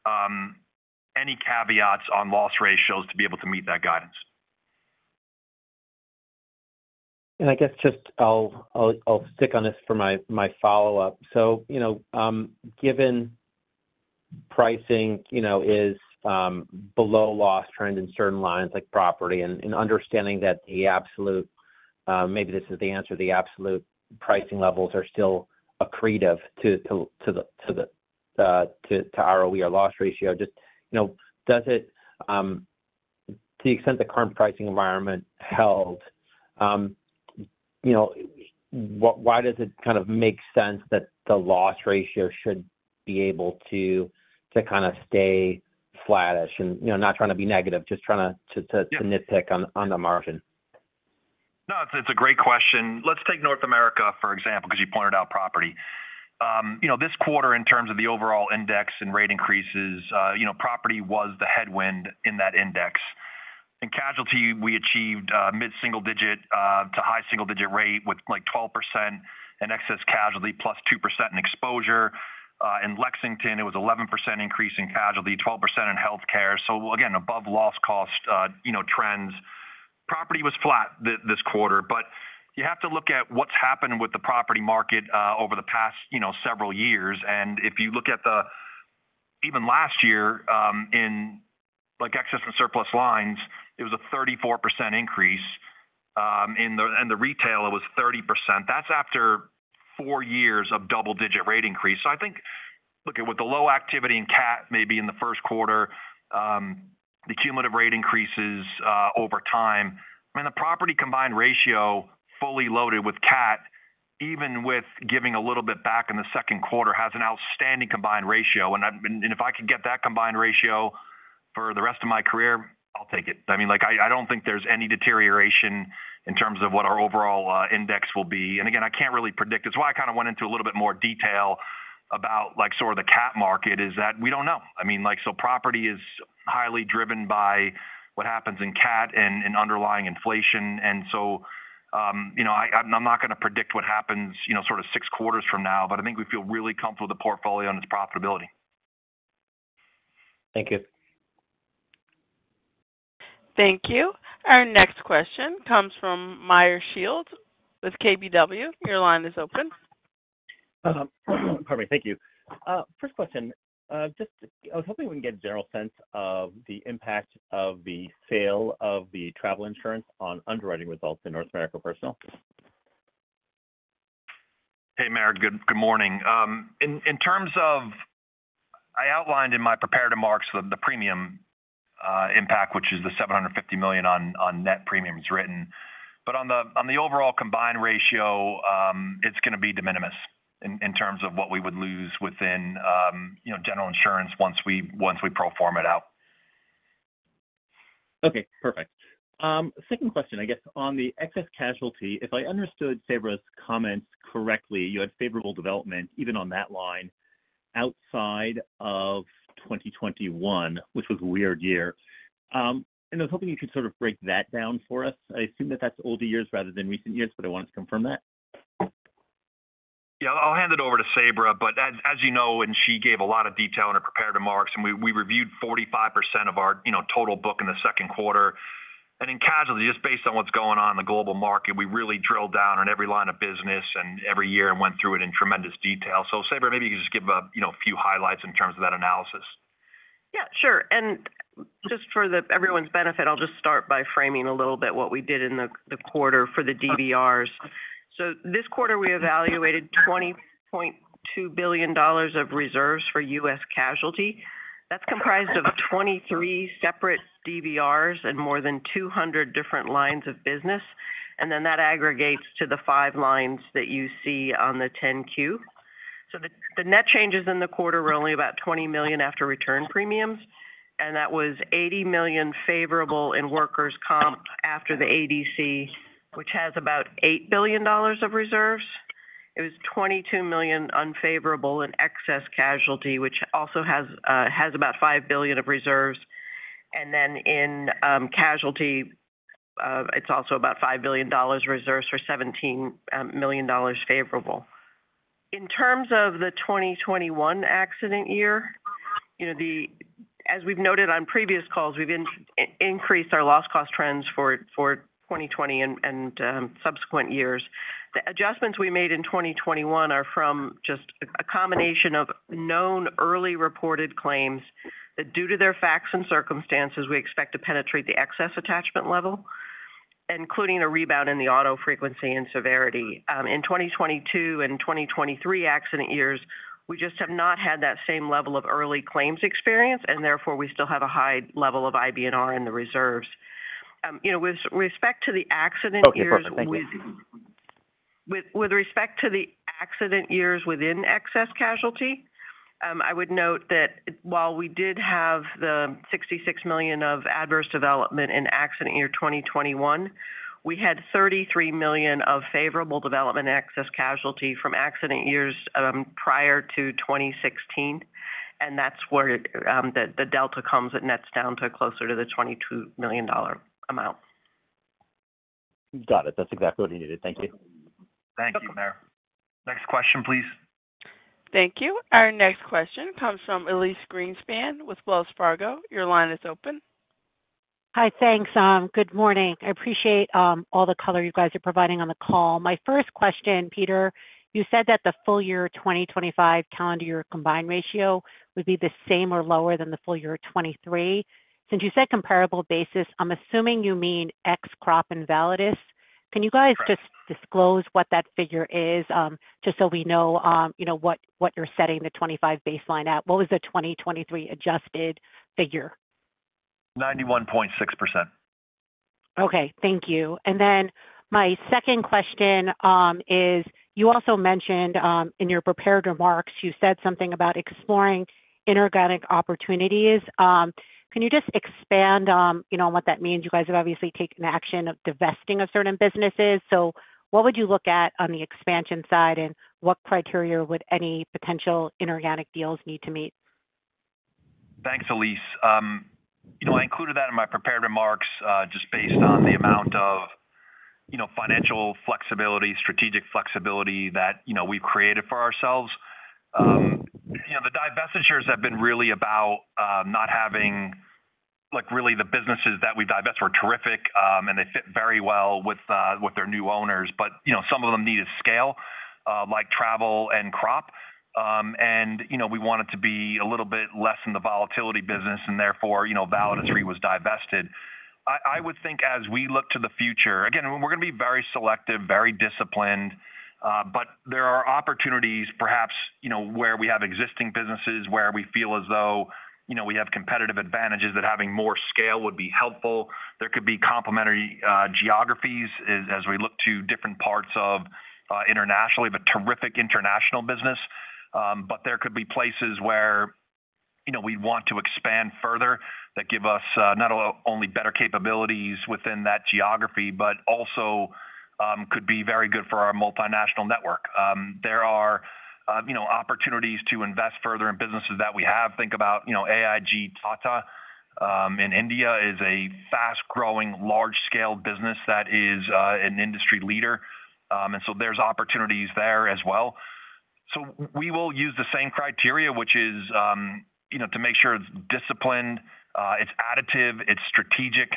2023. So we're not anticipating any caveats on loss ratios to be able to meet that guidance. I guess just I'll stick on this for my follow-up. So, you know, given pricing, you know, is below loss trend in certain lines, like property, and understanding that the absolute, maybe this is the answer, the absolute pricing levels are still accretive to the ROE or loss ratio. Just, you know, does it, to the extent the current pricing environment held, you know, what, why does it kind of make sense that the loss ratio should be able to kind of stay flattish? And, you know, not trying to be negative, just trying to- Yeah. nitpick on the margin. No, it's, it's a great question. Let's take North America, for example, 'cause you pointed out property. You know, this quarter, in terms of the overall index and rate increases, you know, property was the headwind in that index. In casualty, we achieved, mid-single-digit to high-single-digit rate with, like, 12% in excess casualty, +2% in exposure. In Lexington, it was 11% increase in casualty, 12% in healthcare. So again, above loss cost, you know, trends. Property was flat this quarter, but you have to look at what's happened with the property market, over the past, you know, several years. And if you look at the, even last year, in, like, excess and surplus lines, it was a 34% increase. In the retail, it was 30%. That's after four years of double-digit rate increase. So I think, look, with the low activity in cat, maybe in the first quarter, the cumulative rate increases over time. I mean, the property combined ratio, fully loaded with cat, even with giving a little bit back in the second quarter, has an outstanding combined ratio. And I'm—and if I could get that combined ratio for the rest of my career, I'll take it. I mean, like, I, I don't think there's any deterioration in terms of what our overall index will be. And again, I can't really predict. That's why I kind of went into a little bit more detail about like sort of the cat market, is that we don't know. I mean, like, so property is highly driven by what happens in cat and underlying inflation. And so, you know, I, I'm not gonna predict what happens, you know, sort of six quarters from now, but I think we feel really comfortable with the portfolio and its profitability. Thank you. Thank you. Our next question comes from Meyer Shields with KBW. Your line is open. Pardon me. Thank you. First question. Just I was hoping we can get a general sense of the impact of the sale of the travel insurance on underwriting results in North America Personal. Hey, Meyer, good morning. In terms of, I outlined in my prepared remarks the premium impact, which is the $750 million on net premiums written. But on the overall combined ratio, it's gonna be de minimis in terms of what we would lose within, you know, General Insurance once we pro forma it out. Okay, perfect. Second question, I guess on the excess casualty, if I understood Sabra's comments correctly, you had favorable development even on that line outside of 2021, which was a weird year. I was hoping you could sort of break that down for us. I assume that that's older years rather than recent years, but I wanted to confirm that. Yeah, I'll hand it over to Sabra. But as, as you know, and she gave a lot of detail in her prepared remarks, and we reviewed 45% of our, you know, total book in the second quarter. And in casualty, just based on what's going on in the global market, we really drilled down on every line of business and every year and went through it in tremendous detail. So, Sabra, maybe you can just give a, you know, few highlights in terms of that analysis. Yeah, sure. And just for everyone's benefit, I'll just start by framing a little bit what we did in the quarter for the DVRs. So this quarter, we evaluated $20.2 billion of reserves for U.S. casualty. That's comprised of 23 separate DVRs and more than 200 different lines of business, and then that aggregates to the five lines that you see on the 10-Q. So the net changes in the quarter were only about $20 million after return premiums, and that was $80 million favorable in workers' comp after the ADC, which has about $8 billion of reserves. It was $22 million unfavorable in excess casualty, which also has about $5 billion of reserves. And then in casualty, it's also about $5 billion reserves for $17 million favorable. In terms of the 2021 accident year, you know, as we've noted on previous calls, we've increased our loss cost trends for 2020 and subsequent years. The adjustments we made in 2021 are from just a combination of known early reported claims, that due to their facts and circumstances, we expect to penetrate the excess attachment level, including a rebound in the auto frequency and severity. In 2022 and 2023 accident years, we just have not had that same level of early claims experience, and therefore, we still have a high level of IBNR in the reserves. You know, with respect to the accident years with- Go ahead, thank you. With respect to the accident years within excess casualty, I would note that while we did have the $66 million of adverse development in accident year 2021, we had $33 million of favorable development excess casualty from accident years prior to 2016, and that's where the delta comes. It nets down to closer to the $22 million amount. Got it. That's exactly what I needed. Thank you. Okay. Thank you, Meyer. Next question, please. Thank you. Our next question comes from Elyse Greenspan with Wells Fargo. Your line is open. Hi, thanks, good morning. I appreciate all the color you guys are providing on the call. My first question, Peter, you said that the full year 2025 calendar year combined ratio would be the same or lower than the full year of 2023. Since you said comparable basis, I'm assuming you mean ex crop and Validus. Correct. Can you guys just disclose what that figure is, just so we know, you know, what you're setting the 25 baseline at? What was the 2023 adjusted figure? 91.6%. Okay, thank you. And then my second question is you also mentioned in your prepared remarks, you said something about exploring inorganic opportunities. Can you just expand on, you know, what that means? You guys have obviously taken action of divesting of certain businesses. So what would you look at on the expansion side, and what criteria would any potential inorganic deals need to meet? Thanks, Elyse. You know, I included that in my prepared remarks, just based on the amount of, you know, financial flexibility, strategic flexibility that, you know, we've created for ourselves. You know, the divestitures have been really about, not having, Like, really, the businesses that we divested were terrific, and they fit very well with, with their new owners, but, you know, some of them needed scale, like travel and crop. You know, we wanted to be a little bit less in the volatility business, and therefore, you know, Validus was divested. I would think as we look to the future, again, we're going to be very selective, very disciplined, but there are opportunities perhaps, you know, where we have existing businesses, where we feel as though, you know, we have competitive advantages that having more scale would be helpful. There could be complementary, geographies as we look to different parts of, internationally, but terrific international business. But there could be places where, you know, we want to expand further that give us, not only better capabilities within that geography, but also, could be very good for our multinational network. There are, you know, opportunities to invest further in businesses that we have. Think about, you know, AIG Tata, in India is a fast-growing, large-scale business that is, an industry leader. And so there's opportunities there as well. So we will use the same criteria, which is, you know, to make sure it's disciplined, it's additive, it's strategic,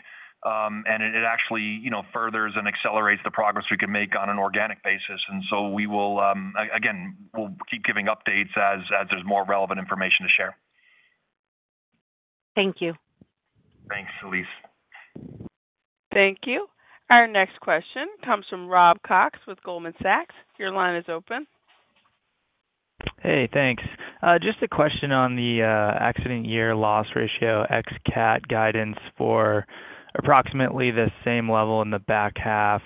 and it actually, you know, furthers and accelerates the progress we can make on an organic basis. And so we will again, we'll keep giving updates as there's more relevant information to share. Thank you. Thanks, Elyse. Thank you. Our next question comes from Rob Cox with Goldman Sachs. Your line is open. Hey, thanks. Just a question on the accident year loss ratio ex-cat guidance for approximately the same level in the back half.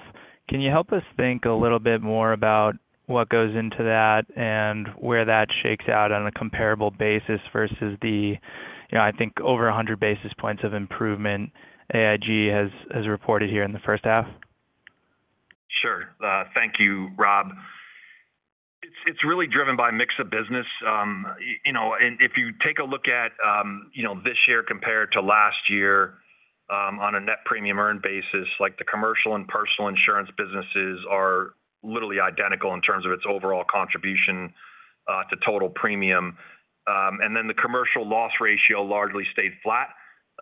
Can you help us think a little bit more about what goes into that and where that shakes out on a comparable basis versus the, you know, I think, over 100 basis points of improvement AIG has reported here in the first half? Sure. Thank you, Rob. It's really driven by mix of business. You know, and if you take a look at, you know, this year compared to last year, on a net premium earned basis, like the commercial and personal insurance businesses are literally identical in terms of its overall contribution to total premium. And then the commercial loss ratio largely stayed flat.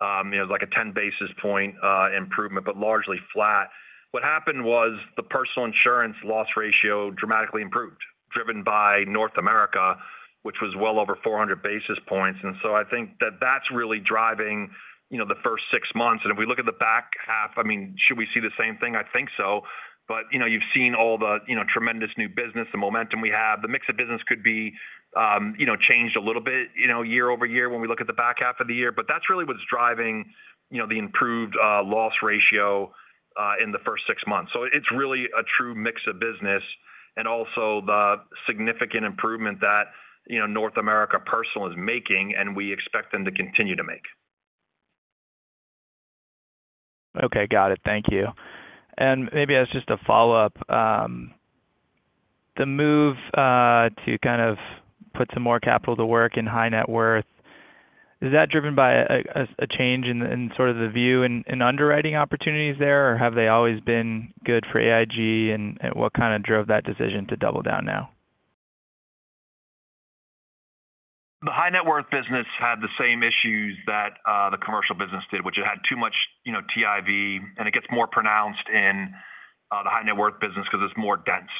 You know, like a 10 basis point improvement, but largely flat. What happened was the personal insurance loss ratio dramatically improved, driven by North America, which was well over 400 basis points. And so I think that's really driving, you know, the first six months. And if we look at the back half, I mean, should we see the same thing? I think so. But, you know, you've seen all the, you know, tremendous new business, the momentum we have. The mix of business could be, you know, changed a little bit, you know, year-over-year when we look at the back half of the year. But that's really what's driving, you know, the improved loss ratio in the first six months. So it's really a true mix of business and also the significant improvement that, you know, North America Personal is making, and we expect them to continue to make. Okay, got it. Thank you. And maybe as just a follow-up, the move to kind of put some more capital to work in high net worth, is that driven by a change in sort of the view in underwriting opportunities there, or have they always been good for AIG, and what kind of drove that decision to double down now? The high net worth business had the same issues that the commercial business did, which it had too much, you know, TIV, and it gets more pronounced in the high net worth business because it's more dense.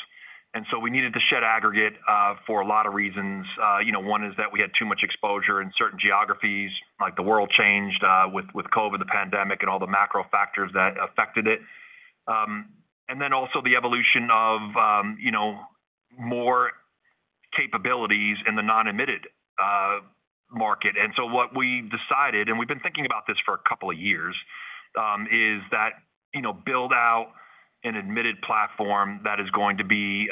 And so we needed to shed aggregate for a lot of reasons. You know, one is that we had too much exposure in certain geographies, like the world changed with COVID, the pandemic and all the macro factors that affected it. And then also the evolution of you know, more capabilities in the non-admitted market. And so what we decided, and we've been thinking about this for a couple of years, is that, you know, build out an admitted platform that is going to be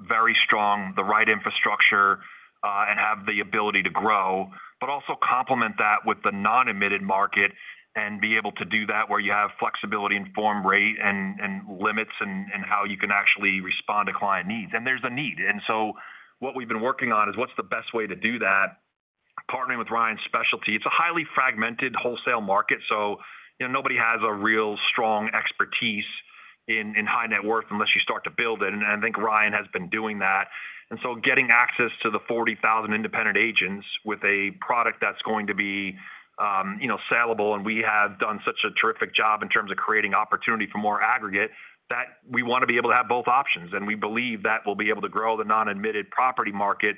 very strong, the right infrastructure, and have the ability to grow, but also complement that with the non-admitted market and be able to do that where you have flexibility in form, rate, and, and limits and, and how you can actually respond to client needs. And there's a need. And so what we've been working on is what's the best way to do that, partnering with Ryan Specialty. It's a highly fragmented wholesale market, so, you know, nobody has a real strong expertise in, in high net worth unless you start to build it, and I think Ryan has been doing that. And so getting access to the 40,000 independent agents with a product that's going to be, you know, sellable, and we have done such a terrific job in terms of creating opportunity for more aggregate, that we want to be able to have both options. And we believe that we'll be able to grow the non-admitted property market,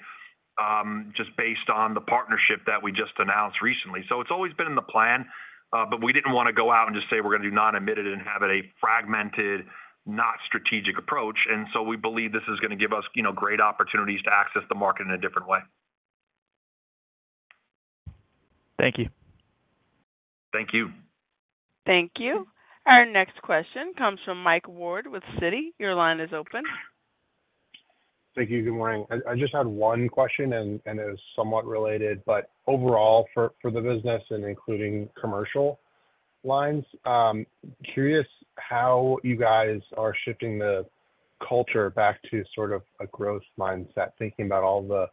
just based on the partnership that we just announced recently. So it's always been in the plan, but we didn't want to go out and just say we're going to do non-admitted and have it a fragmented, not strategic approach. And so we believe this is going to give us, you know, great opportunities to access the market in a different way. Thank you. Thank you. Thank you. Our next question comes from Mike Ward with Citi. Your line is open. Thank you. Good morning. I just had one question, and it is somewhat related, but overall, for the business and including commercial lines, curious how you guys are shifting the culture back to sort of a growth mindset, thinking about all the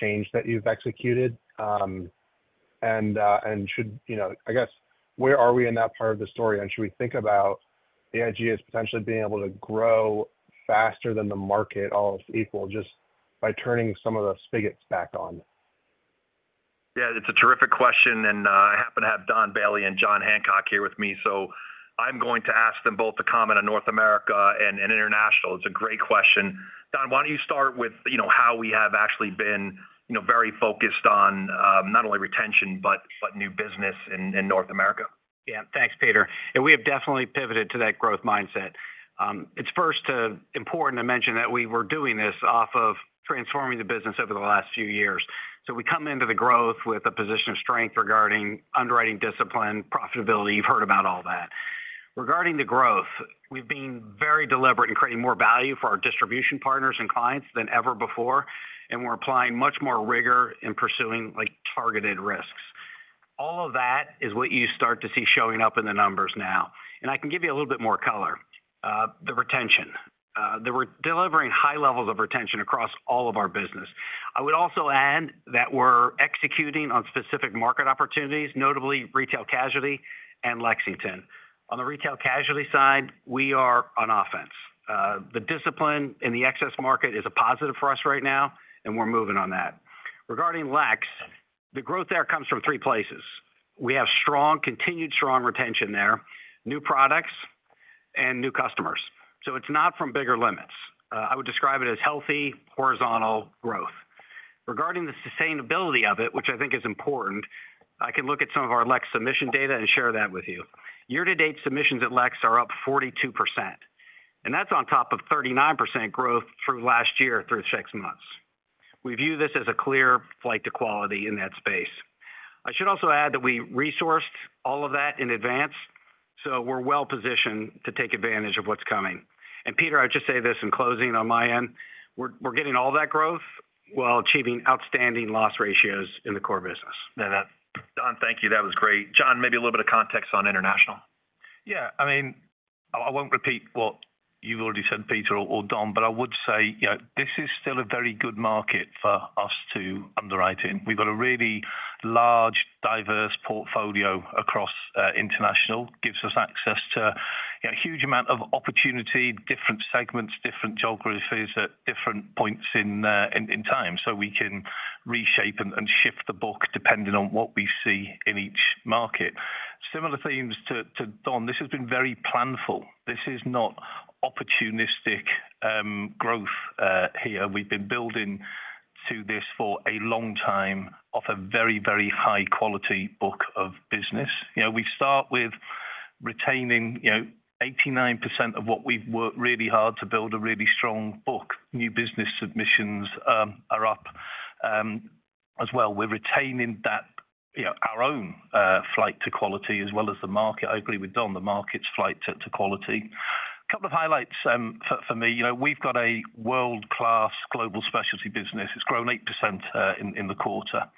change that you've executed, and should, you know, I guess, where are we in that part of the story? And should we think about AIG as potentially being able to grow faster than the market, all else equal, just by turning some of the spigots back on? Yeah, it's a terrific question, and I happen to have Don Bailey and Jon Hancock here with me, so I'm going to ask them both to comment on North America and International. It's a great question. Don, why don't you start with, you know, how we have actually been, you know, very focused on, not only retention, but new business in North America? Yeah. Thanks, Peter. And we have definitely pivoted to that growth mindset. It's first important to mention that we were doing this off of transforming the business over the last few years. So we come into the growth with a position of strength regarding underwriting discipline, profitability. You've heard about all that. Regarding the growth, we've been very deliberate in creating more value for our distribution partners and clients than ever before, and we're applying much more rigor in pursuing, like, targeted risks. All of that is what you start to see showing up in the numbers now, and I can give you a little bit more color. The retention. They were delivering high levels of retention across all of our business. I would also add that we're executing on specific market opportunities, notably Retail Casualty and Lexington. On the Retail Casualty side, we are on offense. The discipline in the excess market is a positive for us right now, and we're moving on that. Regarding Lex, the growth there comes from three places. We have strong, continued strong retention there, new products and new customers, so it's not from bigger limits. I would describe it as healthy, horizontal growth. Regarding the sustainability of it, which I think is important, I can look at some of our Lex submission data and share that with you. Year to date, submissions at Lex are up 42%, and that's on top of 39% growth through last year through six months. We view this as a clear flight to quality in that space. I should also add that we resourced all of that in advance, so we're well positioned to take advantage of what's coming. Peter, I would just say this in closing on my end, we're getting all that growth while achieving outstanding loss ratios in the core business. Yeah. That, Don, thank you. That was great. Jon, maybe a little bit of context on international. Yeah, I mean, I won't repeat what you've already said, Peter or Don, but I would say, you know, this is still a very good market for us to underwrite in. We've got a really large, diverse portfolio across international. Gives us access to, you know, a huge amount of opportunity, different segments, different geographies at different points in time, so we can reshape and shift the book depending on what we see in each market. Similar themes to Don, this has been very planful. This is not opportunistic growth here. We've been building to this for a long time, off a very, very high quality book of business. You know, we start with retaining, you know, 89% of what we've worked really hard to build a really strong book. New business submissions are up as well. We're retaining that, you know, our own flight to quality as well as the market. I agree with Don, the market's flight to quality. A couple of highlights, for me, you know, we've got a world-class Global Specialty business. It's grown 8% in the quarter,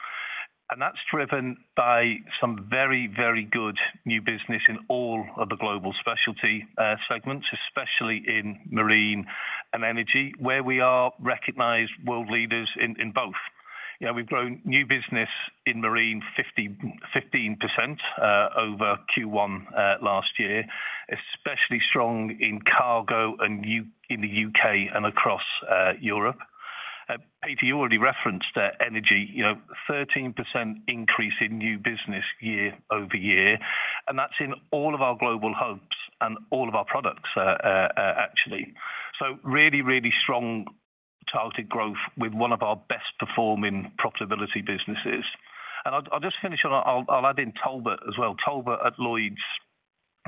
and that's driven by some very, very good new business in all of the Global Specialty segments, especially in marine and energy, where we are recognized world leaders in both. You know, we've grown new business in marine fifteen percent over Q1 last year, especially strong in cargo and in the U.K. and across Europe. Peter, you already referenced that energy, you know, thirteen percent increase in new business year-over-year, and that's in all of our global hubs and all of our products, actually. So really, really strong targeted growth with one of our best performing profitability businesses. And I'll just finish on. I'll add in Talbot as well. Talbot, at Lloyd's,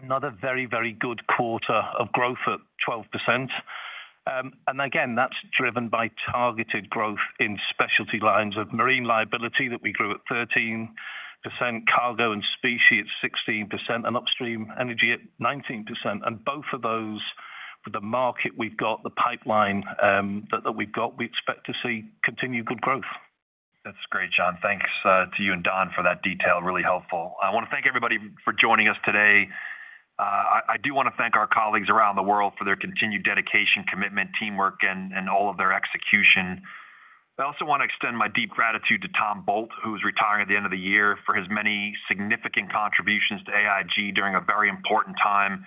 another very, very good quarter of growth at 12%. And again, that's driven by targeted growth in specialty lines of marine liability that we grew at 13%, cargo and specie at 16%, and upstream energy at 19%. And both of those, with the market we've got, the pipeline, that we've got, we expect to see continued good growth. That's great, Jon. Thanks to you and Don for that detail. Really helpful. I want to thank everybody for joining us today. I do want to thank our colleagues around the world for their continued dedication, commitment, teamwork, and all of their execution. I also want to extend my deep gratitude to Tom Bolt, who's retiring at the end of the year, for his many significant contributions to AIG during a very important time,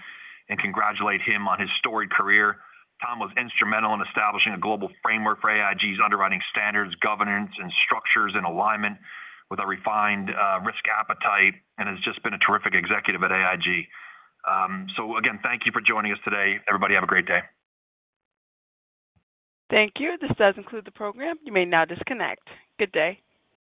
and congratulate him on his storied career. Tom was instrumental in establishing a global framework for AIG's underwriting standards, governance, and structures in alignment with our refined risk appetite, and has just been a terrific executive at AIG. So again, thank you for joining us today. Everybody, have a great day. Thank you. This does conclude the program. You may now disconnect. Good day.